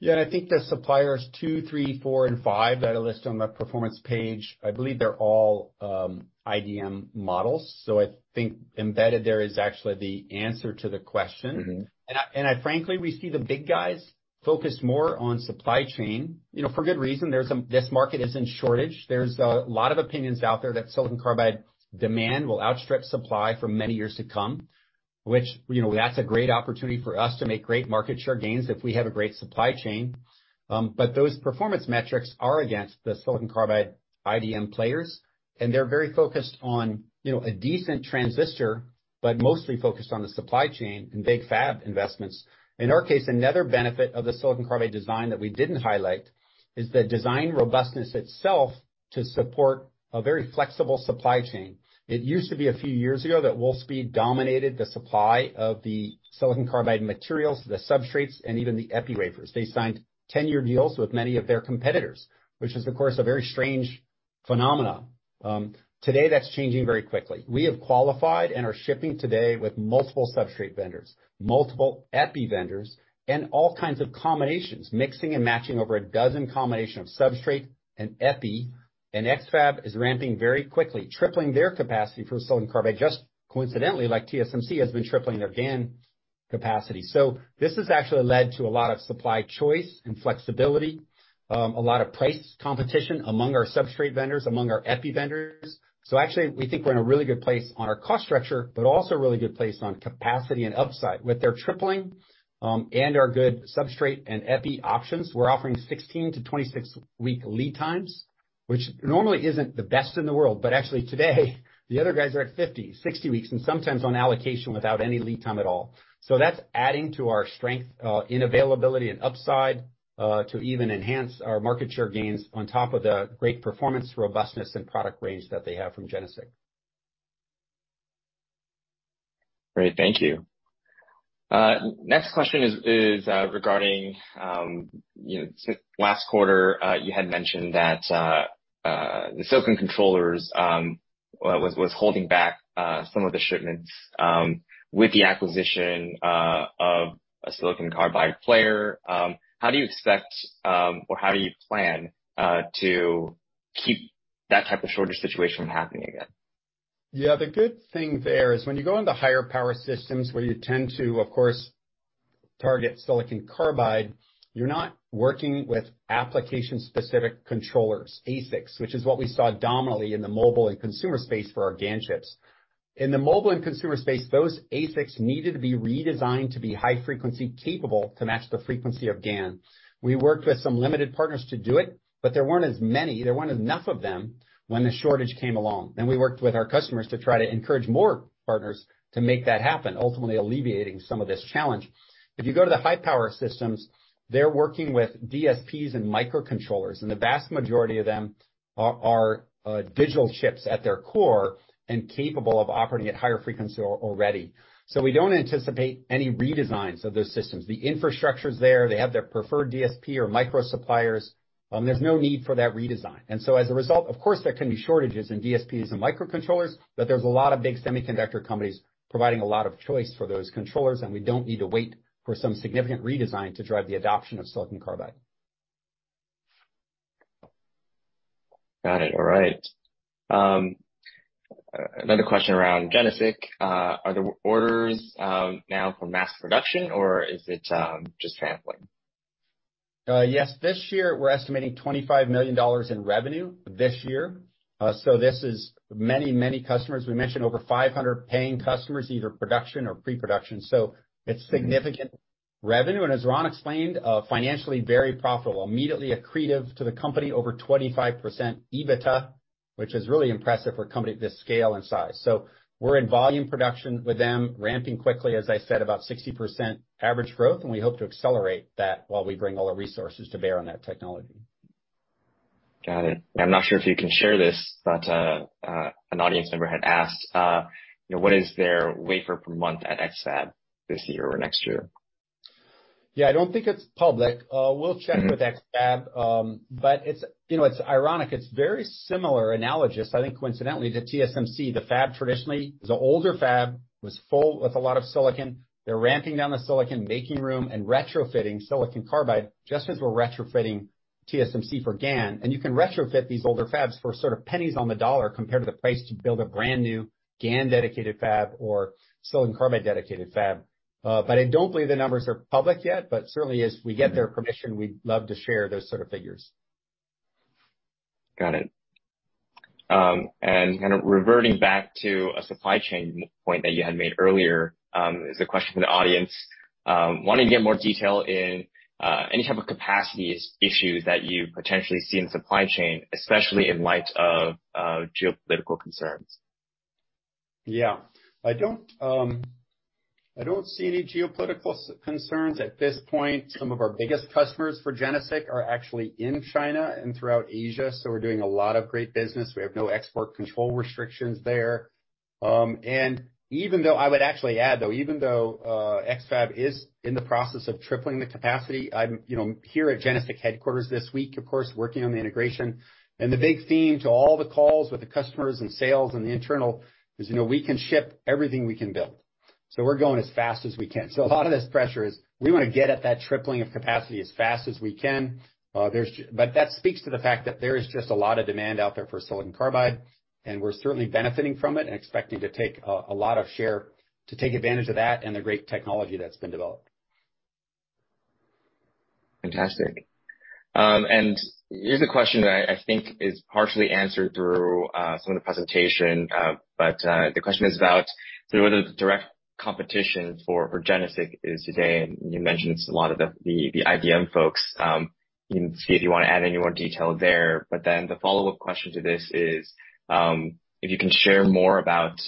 Yeah. I think the suppliers two, three, four, and five that I list on the performance page, I believe they're all IDM models. I think embedded there is actually the answer to the question. Mm-hmm. I frankly, we see the big guys focus more on supply chain, you know, for good reason. This market is in shortage. There's a lot of opinions out there that silicon carbide demand will outstrip supply for many years to come, which, you know, that's a great opportunity for us to make great market share gains if we have a great supply chain. Those performance metrics are against the silicon carbide IDM players, and they're very focused on, you know, a decent transistor. Mostly focused on the supply chain and big fab investments. In our case, another benefit of the silicon carbide design that we didn't highlight is the design robustness itself to support a very flexible supply chain. It used to be a few years ago that Wolfspeed dominated the supply of the silicon carbide materials, the substrates, and even the epi wafers. They signed 10 year deals with many of their competitors, which is, of course, a very strange phenomenon. Today that's changing very quickly. We have qualified and are shipping today with multiple substrate vendors, multiple epi vendors, and all kinds of combinations, mixing and matching over a dozen combinations of substrate and epi, and X-FAB is ramping very quickly, tripling their capacity for silicon carbide just coincidentally, like TSMC has been tripling their GaN capacity. This has actually led to a lot of supply choice and flexibility, a lot of price competition among our substrate vendors, among our epi vendors. Actually we think we're in a really good place on our cost structure, but also a really good place on capacity and upside. With their tripling, and our good substrate and epi options, we're offering 16-26 week lead times, which normally isn't the best in the world, but actually today the other guys are at 50, 60 weeks, and sometimes on allocation without any lead time at all. That's adding to our strength in availability and upside to even enhance our market share gains on top of the great performance robustness and product range that they have from GeneSiC. Great. Thank you. Next question is regarding, you know, last quarter, you had mentioned that the silicon controllers was holding back some of the shipments with the acquisition of a silicon carbide player. How do you expect or how do you plan to keep that type of shortage situation from happening again? The good thing there is when you go into higher power systems where you tend to, of course, target silicon carbide, you're not working with application-specific controllers, ASICs, which is what we saw dominantly in the mobile and consumer space for our GaN chips. In the mobile and consumer space, those ASICs needed to be redesigned to be high frequency capable to match the frequency of GaN. We worked with some limited partners to do it, but there weren't as many, there weren't enough of them when the shortage came along, and we worked with our customers to try to encourage more partners to make that happen, ultimately alleviating some of this challenge. If you go to the high-power systems, they're working with DSPs and microcontrollers, and the vast majority of them are digital chips at their core and capable of operating at higher frequency already. We don't anticipate any redesigns of those systems. The infrastructure's there. They have their preferred DSP or micro suppliers. There's no need for that redesign. As a result, of course there can be shortages in DSPs and microcontrollers, but there's a lot of big semiconductor companies providing a lot of choice for those controllers, and we don't need to wait for some significant redesign to drive the adoption of silicon carbide. Got it. All right. Another question around GeneSiC. Are there orders now for mass production, or is it just sampling? Yes. This year we're estimating $25 million in revenue this year. This is many, many customers. We mentioned over 500 paying customers, either production or pre-production. It's significant revenue, and as Ron explained, financially very profitable, immediately accretive to the company, over 25% EBITDA, which is really impressive for a company this scale and size. We're in volume production with them ramping quickly, as I said, about 60% average growth, and we hope to accelerate that while we bring all our resources to bear on that technology. Got it. I'm not sure if you can share this, but an audience member had asked, you know, what is their wafer per month at X-FAB this year or next year? Yeah, I don't think it's public. We'll check with X-FAB. It's, you know, it's ironic. It's very similar, analogous, I think coincidentally to TSMC, the fab traditionally is an older fab, was full with a lot of silicon. They're ramping down the silicon making room and retrofitting silicon carbide just as we're retrofitting TSMC for GaN. You can retrofit these older fabs for sort of pennies on the dollar compared to the price to build a brand-new GaN dedicated fab or silicon carbide dedicated fab. I don't believe the numbers are public yet, but certainly as we get their permission, we'd love to share those sort of figures. Got it. Kind of reverting back to a supply chain point that you had made earlier, is a question from the audience wanting to get more detail in any type of capacity issues that you potentially see in the supply chain, especially in light of geopolitical concerns. Yeah. I don't see any geopolitical concerns at this point. Some of our biggest customers for GeneSiC are actually in China and throughout Asia, so we're doing a lot of great business. We have no export control restrictions there. I would actually add, though, even though X-FAB is in the process of tripling the capacity, I'm here at GeneSiC headquarters this week, of course, working on the integration, and the big theme to all the calls with the customers and sales and the internal is, you know, we can ship everything we can build. We're going as fast as we can. A lot of this pressure is we wanna get at that tripling of capacity as fast as we can. That speaks to the fact that there is just a lot of demand out there for silicon carbide, and we're certainly benefiting from it and expecting to take a lot of share to take advantage of that and the great technology that's been developed. Fantastic. Here's a question that I think is partially answered through some of the presentation, but the question is about sort of the direct competition for GeneSiC today, and you mentioned it's a lot of the IDM folks. You can see if you want to add any more detail there. Then the follow-up question to this is, if you can share more about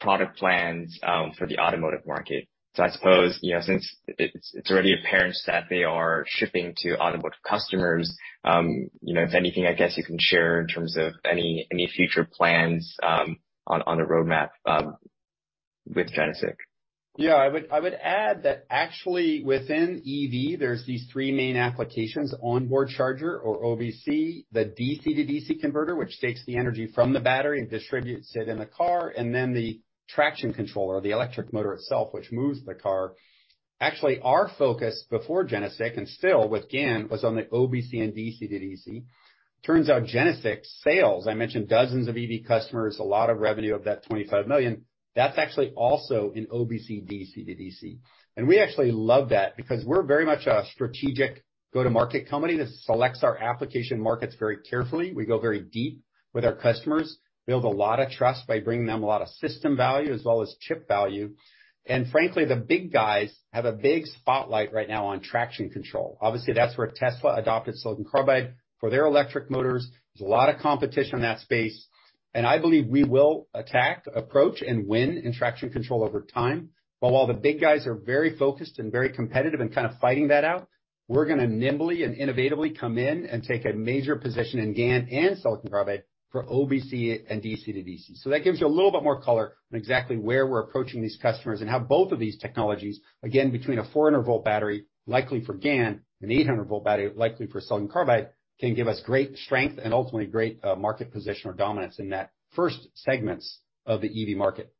product plans for the automotive market. I suppose, you know, since it's already apparent that they are shipping to automotive customers, you know, if anything, I guess you can share in terms of any future plans on the roadmap with GeneSiC. Yeah. I would add that actually within EV there's these three main applications, onboard charger or OBC, the DC-DC converter, which takes the energy from the battery and distributes it in the car, and then the traction controller, the electric motor itself, which moves the car. Actually, our focus before GeneSiC, and still with GaN, was on the OBC and DC-DC. Turns out GeneSiC sales, I mentioned dozens of EV customers, a lot of revenue of that $25 million, that's actually also in OBC, DC-DC. We actually love that because we're very much a strategic go-to-market company that selects our application markets very carefully. We go very deep with our customers, build a lot of trust by bringing them a lot of system value as well as chip value. Frankly, the big guys have a big spotlight right now on traction control. Obviously, that's where Tesla adopted silicon carbide for their electric motors. There's a lot of competition in that space, and I believe we will attack, approach, and win in traction control over time. While the big guys are very focused and very competitive and kind of fighting that out, we're gonna nimbly and innovatively come in and take a major position in GaN and silicon carbide for OBC and DC-DC. That gives you a little bit more color on exactly where we're approaching these customers and how both of these technologies, again, between a 400 V battery, likely for GaN, an 800 V battery, likely for silicon carbide, can give us great strength and ultimately great market position or dominance in that first segments of the EV market.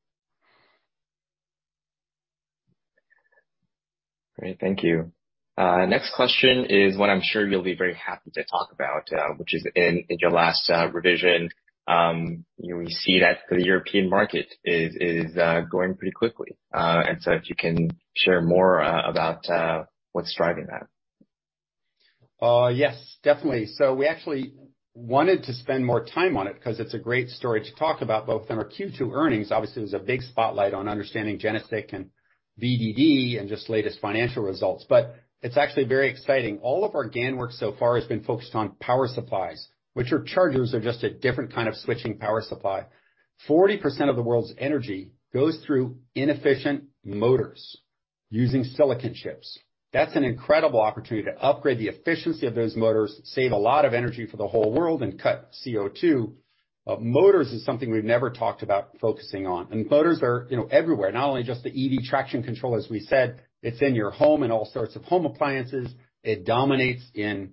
Great. Thank you. Next question is one I'm sure you'll be very happy to talk about, which is in your last revision, you know, we see that the European market is growing pretty quickly. If you can share more about what's driving that. Yes, definitely. We actually wanted to spend more time on it 'cause it's a great story to talk about, both in our Q2 earnings. Obviously there's a big spotlight on understanding GeneSiC and VDD Tech and just latest financial results, but it's actually very exciting. All of our GaN work so far has been focused on power supplies, which chargers are just a different kind of switching power supply. 40% of the world's energy goes through inefficient motors using silicon chips. That's an incredible opportunity to upgrade the efficiency of those motors, save a lot of energy for the whole world and cut CO2. Motors is something we've never talked about focusing on. Motors are, you know, everywhere, not only just the EV traction control, as we said, it's in your home and all sorts of home appliances. It dominates in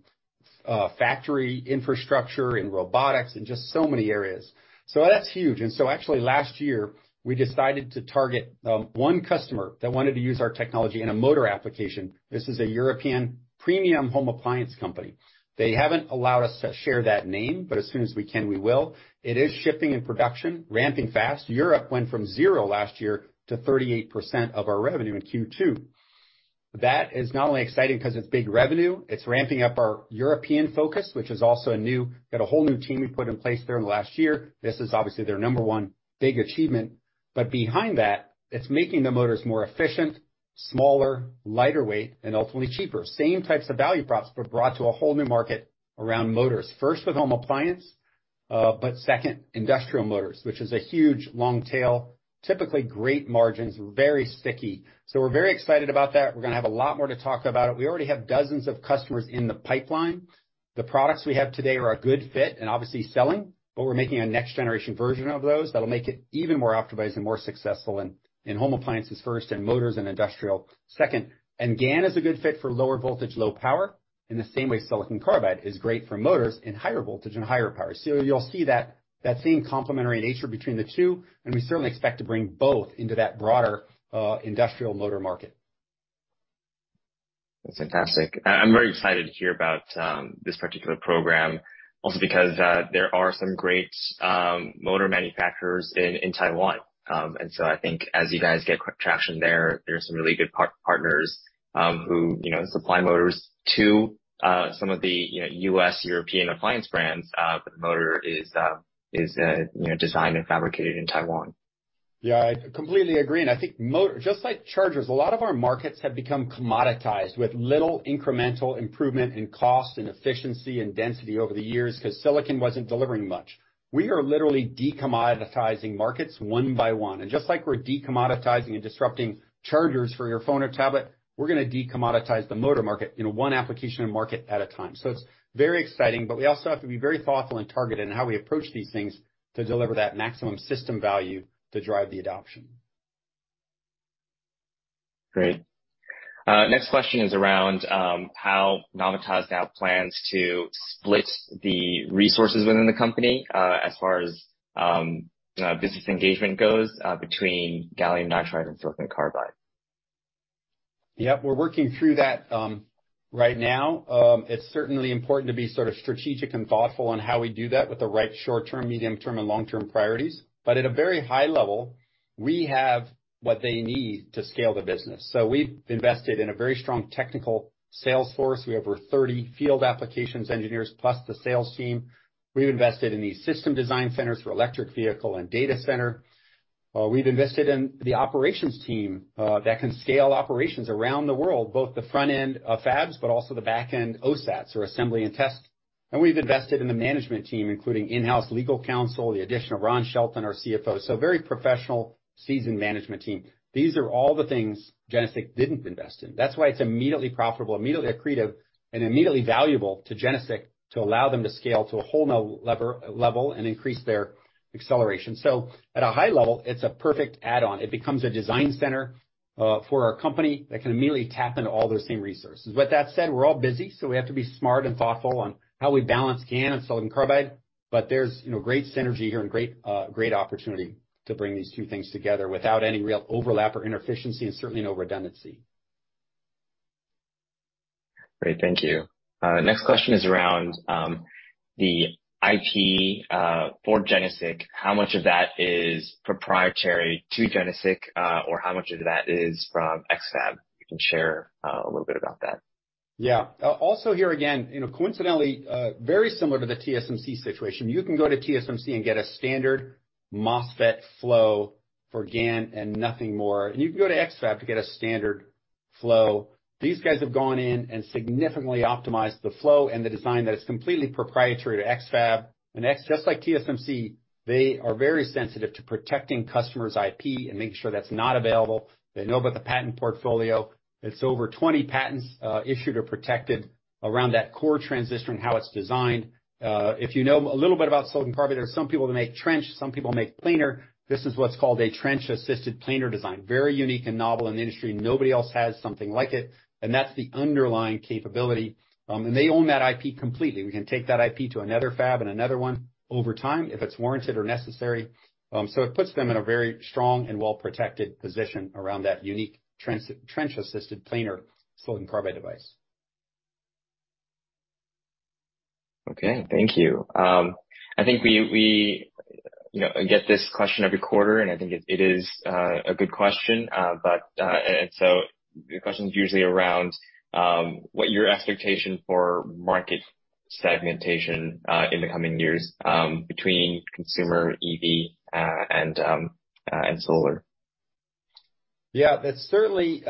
factory infrastructure, in robotics, in just so many areas. That's huge. Actually last year we decided to target one customer that wanted to use our technology in a motor application. This is a European premium home appliance company. They haven't allowed us to share that name, but as soon as we can, we will. It is shipping in production, ramping fast. Europe went from zero last year to 38% of our revenue in Q2. That is not only exciting 'cause it's big revenue, it's ramping up our European focus. Got a whole new team we put in place there in the last year. This is obviously their number one big achievement. Behind that, it's making the motors more efficient, smaller, lighter weight, and ultimately cheaper. Same types of value props, but brought to a whole new market around motors. First with home appliance, but second industrial motors, which is a huge long tail, typically great margins, very sticky. We're very excited about that. We're gonna have a lot more to talk about it. We already have dozens of customers in the pipeline. The products we have today are a good fit and obviously selling, but we're making a next generation version of those that'll make it even more optimized and more successful in home appliances first and motors and industrial second. GaN is a good fit for lower voltage, low power, in the same way silicon carbide is great for motors in higher voltage and higher power. You'll see that same complementary nature between the two, and we certainly expect to bring both into that broader industrial motor market. That's fantastic. I'm very excited to hear about this particular program also because there are some great motor manufacturers in Taiwan. I think as you guys get quick traction there are some really good partners who, you know, supply motors to some of the, you know, U.S., European appliance brands, but the motor is designed and fabricated in Taiwan. Yeah, I completely agree. I think just like chargers, a lot of our markets have become commoditized with little incremental improvement in cost and efficiency and density over the years 'cause silicon wasn't delivering much. We are literally de-commoditizing markets one by one. Just like we're de-commoditizing and disrupting chargers for your phone or tablet, we're gonna de-commoditize the motor market in one application and market at a time. It's very exciting, but we also have to be very thoughtful and targeted in how we approach these things to deliver that maximum system value to drive the adoption. Great. Next question is around how Navitas now plans to split the resources within the company, as far as business engagement goes, between gallium nitride and silicon carbide. Yeah. We're working through that, right now. It's certainly important to be sort of strategic and thoughtful on how we do that with the right short-term, medium-term, and long-term priorities. At a very high level, we have what they need to scale the business. We've invested in a very strong technical sales force. We have over 30 field applications engineers plus the sales team. We've invested in these system design centers for electric vehicle and data center. Well, we've invested in the operations team, that can scale operations around the world, both the front end of fabs, but also the back end OSATs or assembly and test. We've invested in the management team, including in-house legal counsel, the addition of Ron Shelton, our CFO, so very professional seasoned management team. These are all the things GeneSiC didn't invest in. That's why it's immediately profitable, immediately accretive, and immediately valuable to GeneSiC to allow them to scale to a whole new level and increase their acceleration. At a high level, it's a perfect add-on. It becomes a design center for our company that can immediately tap into all those same resources. With that said, we're all busy, so we have to be smart and thoughtful on how we balance GaN and silicon carbide. There's, you know, great synergy here and great opportunity to bring these two things together without any real overlap or inefficiency and certainly no redundancy. Great. Thank you. Next question is around the IP for GeneSiC. How much of that is proprietary to GeneSiC or how much of that is from X-FAB? You can share a little bit about that. Yeah. Also here again, you know, coincidentally, very similar to the TSMC situation. You can go to TSMC and get a standard MOSFET flow for GaN and nothing more. You can go to X-FAB to get a standard flow. These guys have gone in and significantly optimized the flow and the design that is completely proprietary to X-FAB. X-FAB just like TSMC, they are very sensitive to protecting customers' IP and making sure that's not available. They know about the patent portfolio. It's over 20 patents, issued or protected around that core transistor and how it's designed. If you know a little bit about silicon carbide, there are some people that make trench, some people make planar. This is what's called a trench-assisted planar design, very unique and novel in the industry. Nobody else has something like it, and that's the underlying capability. They own that IP completely. We can take that IP to another fab and another one over time if it's warranted or necessary. It puts them in a very strong and well-protected position around that unique trench-assisted planar silicon carbide device. Okay. Thank you. I think we, you know, get this question every quarter, and I think it is a good question. The question is usually around what your expectation for market segmentation in the coming years between consumer EV and solar. Yeah. That's certainly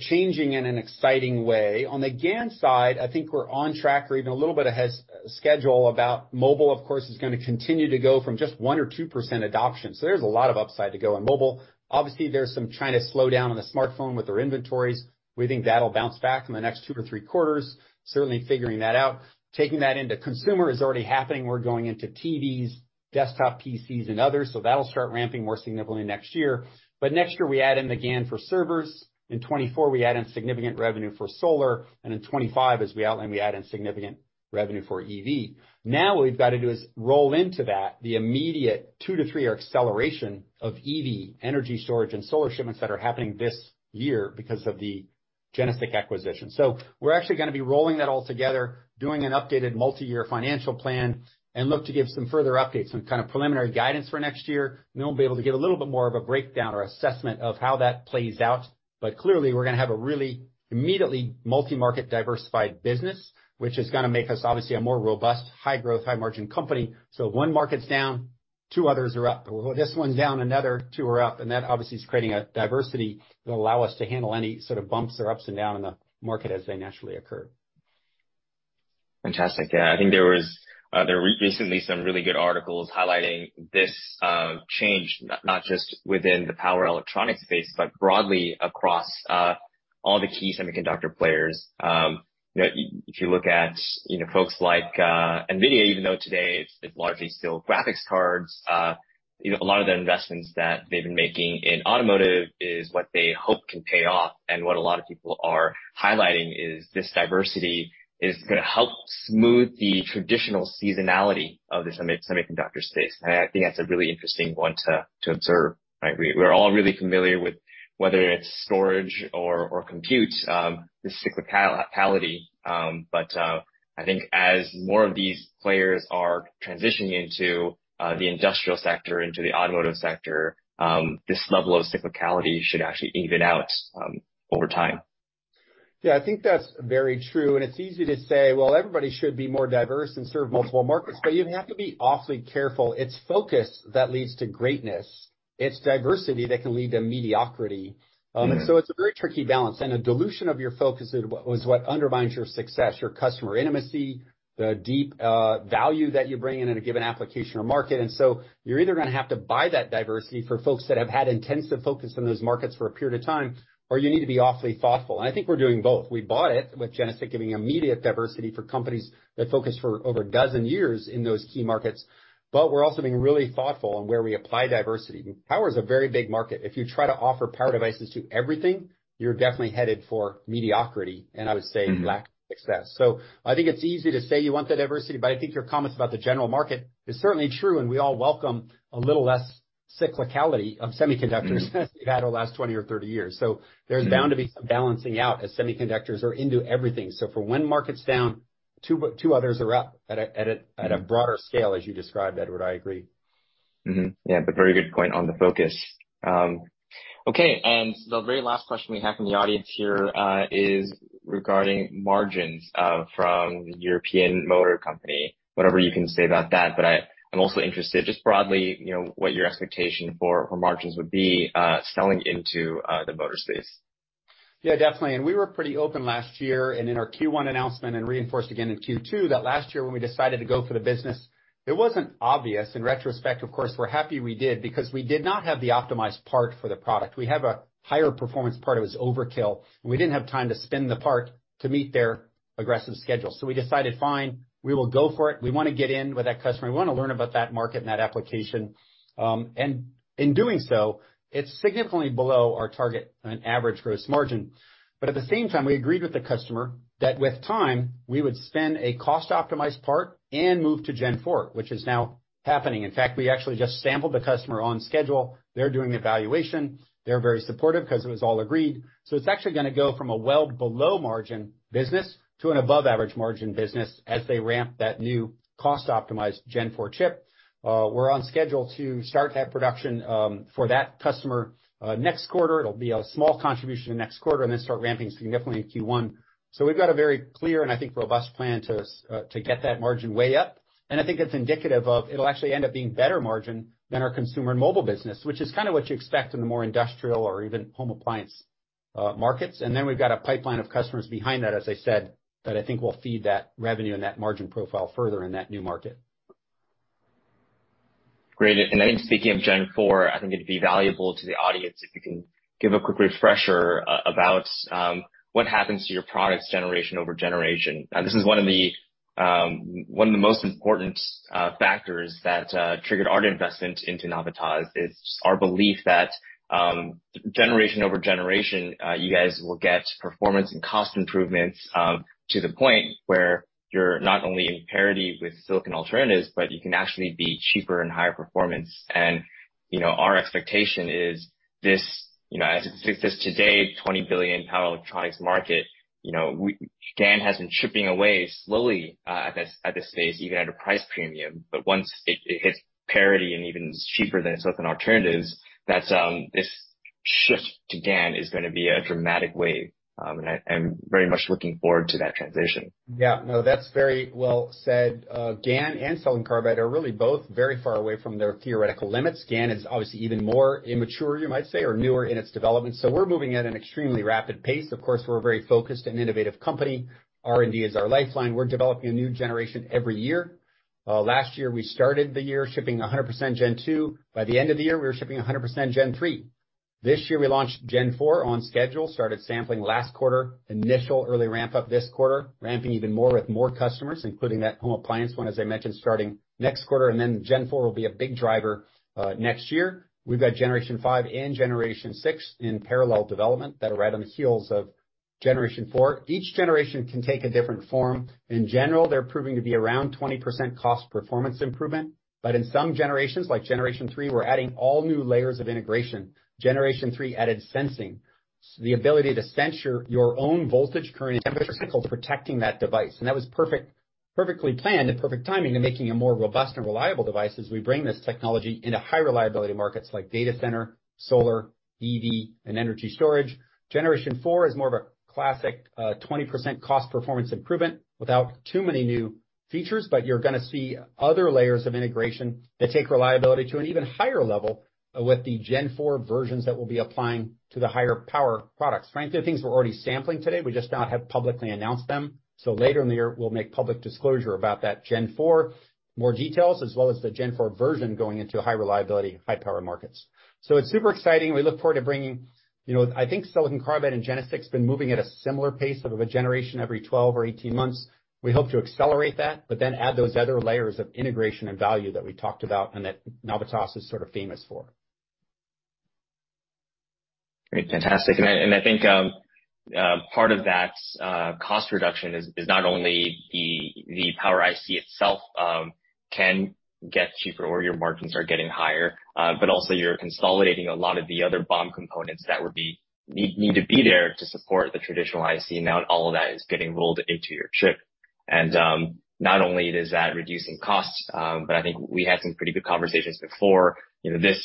changing in an exciting way. On the GaN side, I think we're on track or even a little bit ahead of schedule. Mobile, of course, is gonna continue to go from just 1% or 2% adoption. There's a lot of upside to go on mobile. Obviously, there's some China slowdown on the smartphone with their inventories. We think that'll bounce back in the next two- three quarters, certainly figuring that out. Taking that into consumer is already happening. We're going into TVs, desktop PCs, and others, that'll start ramping more significantly next year. Next year, we add in the GaN for servers. In 2024, we add in significant revenue for solar. In 2025, as we outlined, we add in significant revenue for EV. Now, what we've got to do is roll into that the immediate two-three year acceleration of EV energy storage and solar shipments that are happening this year because of the GeneSiC acquisition. We're actually gonna be rolling that all together, doing an updated multiyear financial plan, and look to give some further updates, some kind of preliminary guidance for next year. We'll be able to give a little bit more of a breakdown or assessment of how that plays out. Clearly, we're gonna have a really immediately multi-market diversified business, which is gonna make us obviously a more robust, high-growth, high-margin company. If one market's down, two others are up. This one's down, another two are up. That obviously is creating a diversity that will allow us to handle any sort of bumps or ups and down in the market as they naturally occur. Fantastic. Yeah. I think there was recently some really good articles highlighting this change, not just within the power electronics space, but broadly across all the key semiconductor players. You know, if you look at folks like NVIDIA, even though today it's largely still graphics cards, you know, a lot of the investments that they've been making in automotive is what they hope can pay off. What a lot of people are highlighting is this diversity is gonna help smooth the traditional seasonality of the semiconductor space. I think that's a really interesting one to observe, right? We're all really familiar with whether it's storage or compute, the cyclicality. I think as more of these players are transitioning into the industrial sector, into the automotive sector, this level of cyclicality should actually even out over time. Yeah, I think that's very true. It's easy to say, well, everybody should be more diverse and serve multiple markets, but you have to be awfully careful. It's focus that leads to greatness. It's diversity that can lead to mediocrity. It's a very tricky balance, and a dilution of your focus is what undermines your success, your customer intimacy, the deep value that you bring in a given application or market. You're either gonna have to buy that diversity for folks that have had intensive focus in those markets for a period of time, or you need to be awfully thoughtful. I think we're doing both. We bought it with GeneSiC giving immediate diversity for companies that focus for over a dozen years in those key markets, but we're also being really thoughtful on where we apply diversity. Power is a very big market. If you try to offer power devices to everything, you're definitely headed for mediocrity, and I would say. Lack of success. I think it's easy to say you want the diversity, but I think your comments about the general market is certainly true, and we all welcome a little less cyclicality of semiconductors than we've had over the last 20 or 30 years. There's bound to be some balancing out as semiconductors are into everything. For when market's down, two others are up at a broader scale, as you described, Edward. I agree. Yeah. Very good point on the focus. Okay. The very last question we have from the audience here is regarding margins from European Motor Company, whatever you can say about that. I'm also interested just broadly, you know, what your expectation for margins would be, selling into the motor space? Yeah, definitely. We were pretty open last year and in our Q1 announcement and reinforced again in Q2, that last year when we decided to go for the business, it wasn't obvious. In retrospect, of course, we're happy we did because we did not have the optimized part for the product. We have a higher performance part. It was overkill, and we didn't have time to spin the part to meet their aggressive schedule. We decided, fine, we will go for it. We wanna get in with that customer. We wanna learn about that market and that application. In doing so, it's significantly below our target on an average gross margin. At the same time, we agreed with the customer that with time, we would spend a cost-optimized part and move to Gen Four, which is now happening. In fact, we actually just sampled the customer on schedule. They're doing the evaluation. They're very supportive 'cause it was all agreed. It's actually gonna go from a well below margin business to an above average margin business as they ramp that new cost-optimized Gen Four chip. We're on schedule to start that production for that customer next quarter. It'll be a small contribution in next quarter and then start ramping significantly in Q1. We've got a very clear and, I think, robust plan to get that margin way up. I think it's indicative of it'll actually end up being better margin than our consumer and mobile business, which is kind of what you expect in the more industrial or even home appliance markets. We've got a pipeline of customers behind that, as I said, that I think will feed that revenue and that margin profile further in that new market. Great. I think speaking of 4th generation, I think it'd be valuable to the audience if you can give a quick refresher about what happens to your products generation-over-generation. This is one of the most important factors that triggered our investment into Navitas, is our belief that generation-over-generation you guys will get performance and cost improvements to the point where you're not only in parity with silicon alternatives, but you can actually be cheaper and higher performance. You know, our expectation is this, you know, as it sits today, $20 billion power electronics market, you know, GaN has been chipping away slowly at this space, even at a price premium. Once it hits parity and even cheaper than silicon alternatives, this shift to GaN is gonna be a dramatic wave. I am very much looking forward to that transition. Yeah. No, that's very well said. GaN and silicon carbide are really both very far away from their theoretical limits. GaN is obviously even more immature, you might say, or newer in its development, so we're moving at an extremely rapid pace. Of course, we're a very focused and innovative company. R&D is our lifeline. We're developing a new generation every year. Last year we started the year shipping 100% Gen Two. By the end of the year we were shipping 100% 3rd generation. This year we launched 4th generation on schedule, started sampling last quarter, initial early ramp-up this quarter, ramping even more with more customers, including that home appliance one, as I mentioned, starting next quarter. 4th generation will be a big driver next year. We've got 5th generation and 6th generation in parallel development that are right on the heels of generation four. Each generation can take a different form. In general, they're proving to be around 20% cost performance improvement. But in some generations, like 3rd generation, we're adding all new layers of integration. 3rd generation added sensing, the ability to sense your own voltage current protecting that device. That was perfect, perfectly planned and perfect timing in making a more robust and reliable device as we bring this technology into high reliability markets like data center, solar, EV, and energy storage. 4th generation is more of a classic, 20% cost performance improvement without too many new features, but you're gonna see other layers of integration that take reliability to an even higher level with the Gen Four versions that we'll be applying to the higher power products. Right? They're things we're already sampling today. We just haven't publicly announced them. Later in the year we'll make public disclosure about that Gen Four, more details, as well as the Gen Four version going into high reliability, high power markets. It's super exciting. You know, I think silicon carbide in Gen Six has been moving at a similar pace of a generation every 12 or 18 months. We hope to accelerate that, but then add those other layers of integration and value that we talked about and that Navitas is sort of famous for. Great. Fantastic. I think part of that cost reduction is not only the power IC itself can get cheaper or your margins are getting higher, but also you're consolidating a lot of the other BOM components that would need to be there to support the traditional IC. Now all of that is getting rolled into your chip. Not only is that reducing costs, but I think we had some pretty good conversations before, you know, this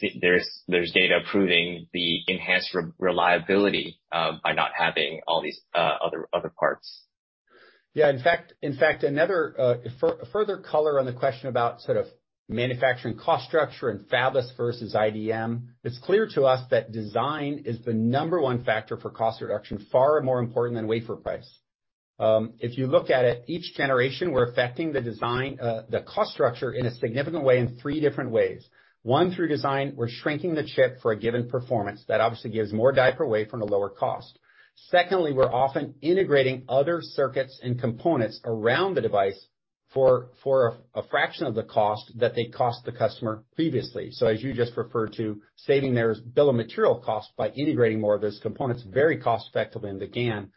consolidation. There's data proving the enhanced reliability by not having all these other parts. Yeah. In fact, further color on the question about sort of manufacturing cost structure and fabless versus IDM, it's clear to us that design is the number one factor for cost reduction, far more important than wafer price. If you look at it, each generation, we're affecting the design, the cost structure in a significant way in three different ways. One, through design. We're shrinking the chip for a given performance. That obviously gives more die per wafer and a lower cost. Secondly, we're often integrating other circuits and components around the device for a fraction of the cost that they cost the customer previously. As you just referred to, saving their bill of material cost by integrating more of those components very cost effectively into GaN.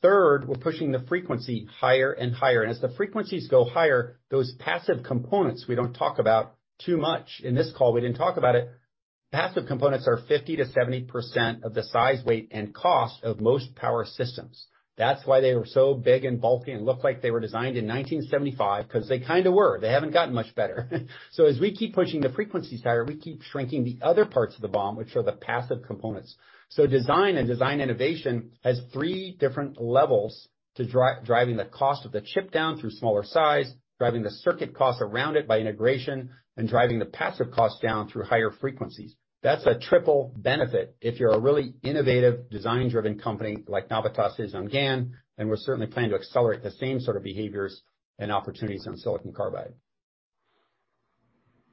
Third, we're pushing the frequency higher and higher. As the frequencies go higher, those passive components we don't talk about too much. In this call we didn't talk about it. Passive components are 50%-70% of the size, weight, and cost of most power systems. That's why they were so big and bulky and looked like they were designed in 1975, 'cause they kind of were. They haven't gotten much better. As we keep pushing the frequency higher, we keep shrinking the other parts of the BOM, which are the passive components. Design and design innovation has three different levels to driving the cost of the chip down through smaller size, driving the circuit cost around it by integration, and driving the passive cost down through higher frequencies. That's a triple benefit if you're a really innovative, design-driven company like Navitas is on GaN, and we're certainly planning to accelerate the same sort of behaviors and opportunities on silicon carbide.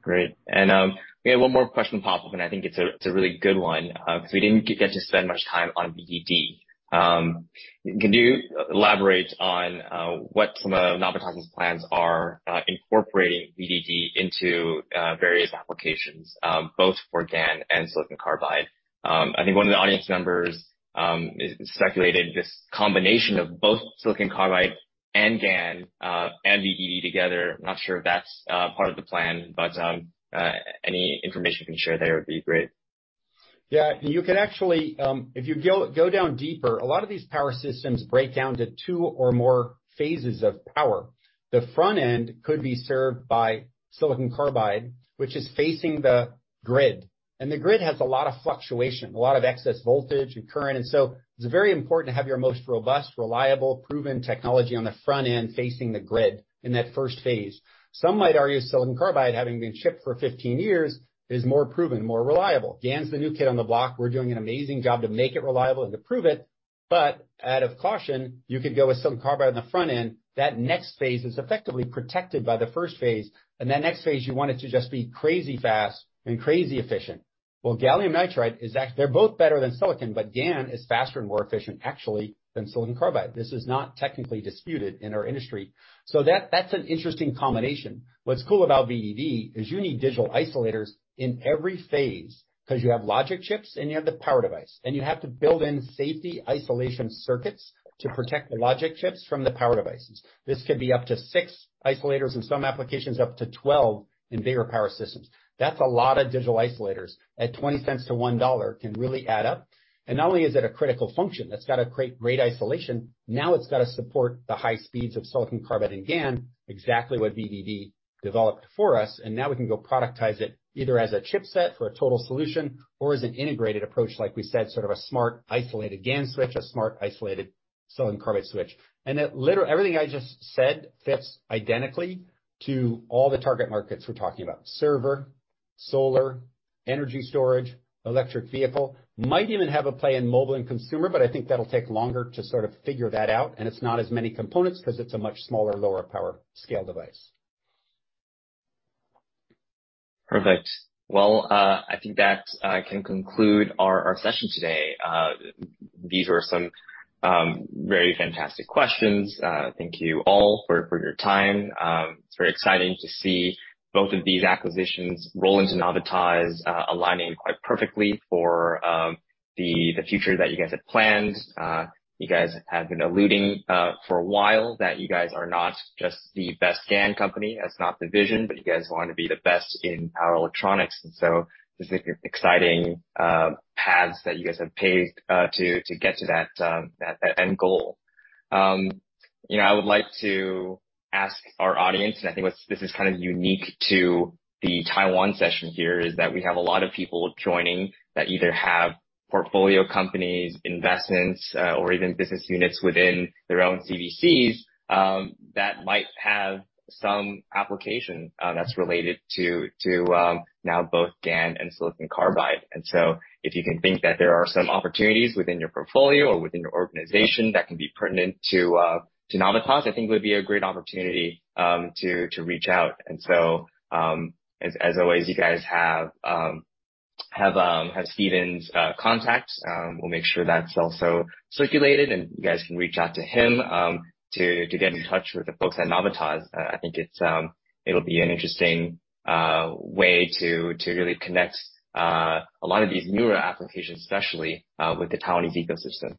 Great. We had one more question pop up, and I think it's a really good one, 'cause we didn't get to spend much time on VDD. Can you elaborate on what some of Navitas' plans are incorporating VDD into various applications both for GaN and silicon carbide? I think one of the audience members is speculating this combination of both silicon carbide and GaN and VDD together. I'm not sure if that's part of the plan, but any information you can share there would be great. Yeah. You can actually, if you go down deeper, a lot of these power systems break down to two or more phases of power. The front end could be served by silicon carbide, which is facing the grid, and the grid has a lot of fluctuation, a lot of excess voltage and current. It's very important to have your most robust, reliable, proven technology on the front end facing the grid in that first phase. Some might argue silicon carbide, having been shipped for 15 years, is more proven, more reliable. GaN's the new kid on the block. We're doing an amazing job to make it reliable and to prove it, but out of caution, you could go with silicon carbide on the front end. That next phase is effectively protected by the first phase, and that next phase, you want it to just be crazy fast and crazy efficient. Well, they're both better than silicon, but GaN is faster and more efficient actually than silicon carbide. This is not technically disputed in our industry. That, that's an interesting combination. What's cool about VDD is you need digital isolators in every phase, 'cause you have logic chips, and you have the power device, and you have to build in safety isolation circuits to protect the logic chips from the power devices. This could be up to six isolators, in some applications, up to 12 in bigger power systems. That's a lot of digital isolators. At $0.20-$1 can really add up. Not only is it a critical function that's gotta create great isolation, now it's gotta support the high speeds of silicon carbide and GaN, exactly what VDD developed for us, and now we can go productize it either as a chipset for a total solution or as an integrated approach, like we said, sort of a smart, isolated GaN switch, a smart, isolated silicon carbide switch. Everything I just said fits identically to all the target markets we're talking about, server, solar, energy storage, electric vehicle. Might even have a play in mobile and consumer, but I think that'll take longer to sort of figure that out, and it's not as many components 'cause it's a much smaller, lower power scale device. Perfect. Well, I think that can conclude our session today. These were some very fantastic questions. Thank you all for your time. It's very exciting to see both of these acquisitions roll into Navitas, aligning quite perfectly for the future that you guys have planned. You guys have been alluding for a while that you guys are not just the best GaN company. That's not the vision, but you guys wanna be the best in power electronics, and so these are exciting paths that you guys have paved to get to that end goal. You know, I would like to ask our audience, and I think what this is kind of unique to the Taiwan session here, is that we have a lot of people joining that either have portfolio companies, investments, or even business units within their own CVCs, that might have some application, that's related to now both GaN and silicon carbide. If you can think that there are some opportunities within your portfolio or within your organization that can be pertinent to Navitas, I think it would be a great opportunity to reach out. As always, you guys have Stephen's contacts. We'll make sure that's also circulated, and you guys can reach out to him to get in touch with the folks at Navitas. I think it'll be an interesting way to really connect a lot of these newer applications, especially with the Taiwanese ecosystem.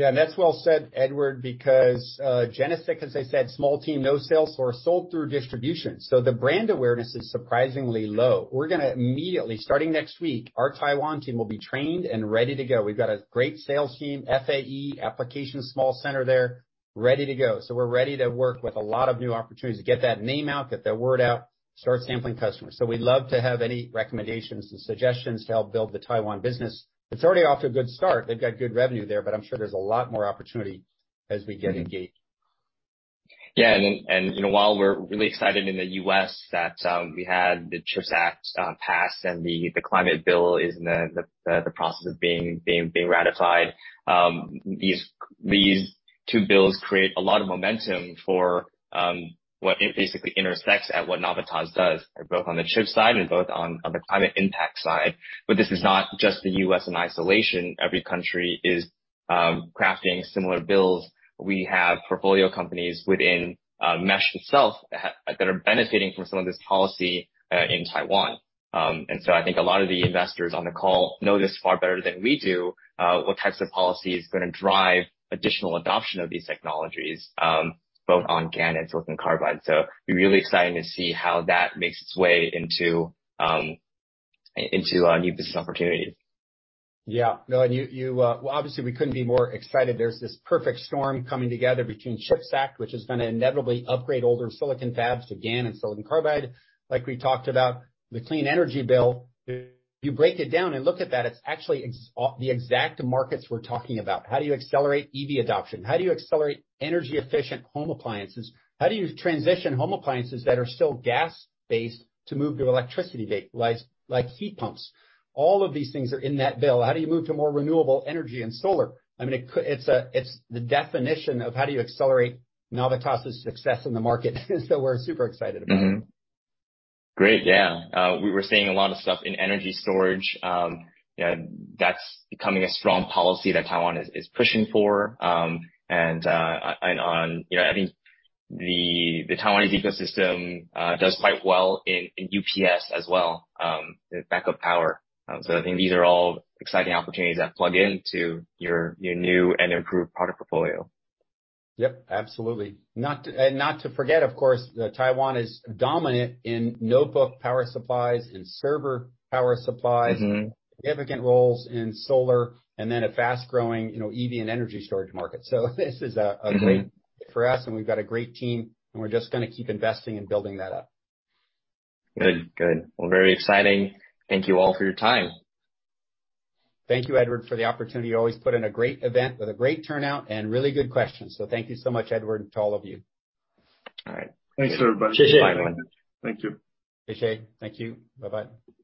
Yeah, that's well said, Edward, because GeneSiC, as I said, small team, no sales force, sold through distribution, so the brand awareness is surprisingly low. We're gonna immediately, starting next week, our Taiwan team will be trained and ready to go. We've got a great sales team, FAE application small center there, ready to go. We're ready to work with a lot of new opportunities to get that name out, get the word out, start sampling customers. We'd love to have any recommendations and suggestions to help build the Taiwan business. It's already off to a good start. They've got good revenue there, but I'm sure there's a lot more opportunity as we get engaged. Yeah. While we're really excited in the U.S. that we had the CHIPS Act passed and the climate bill is in the process of being ratified, these two bills create a lot of momentum for what it basically intersects at what Navitas does, both on the chip side and on the climate impact side. This is not just the U.S. in isolation. Every country is crafting similar bills. We have portfolio companies within Mesh itself that are benefiting from some of this policy in Taiwan. I think a lot of the investors on the call know this far better than we do what types of policy is gonna drive additional adoption of these technologies both on GaN and silicon carbide. It'll be really exciting to see how that makes its way into new business opportunities. Yeah. No, you, well, obviously, we couldn't be more excited. There's this perfect storm coming together between CHIPS Act, which is gonna inevitably upgrade older silicon fabs to GaN and silicon carbide. Like we talked about, the Clean Energy Bill, if you break it down and look at that, it's actually the exact markets we're talking about. How do you accelerate EV adoption? How do you accelerate energy-efficient home appliances? How do you transition home appliances that are still gas-based to move to electricity-based, like heat pumps? All of these things are in that bill. How do you move to more renewable energy and solar? I mean, it's the definition of how do you accelerate Navitas' success in the market. We're super excited about it. Great, yeah. We were seeing a lot of stuff in energy storage. You know, that's becoming a strong policy that Taiwan is pushing for. You know, I think the Taiwanese ecosystem does quite well in UPS as well, backup power. I think these are all exciting opportunities that plug into your new and improved product portfolio. Yep, absolutely. Not to forget, of course, that Taiwan is dominant in notebook power supplies and server power supplies. Mm-hmm. Significant roles in solar, and then a fast-growing, you know, EV and energy storage market. This is a great fit for us, and we've got a great team, and we're just gonna keep investing and building that up. Good. Well, very exciting. Thank you all for your time. Thank you, Edward, for the opportunity. You always put in a great event with a great turnout and really good questions. Thank you so much, Edward, to all of you. All right. Thanks, everybody. Bye. Thank you. Appreciate. Thank you. Bye-bye.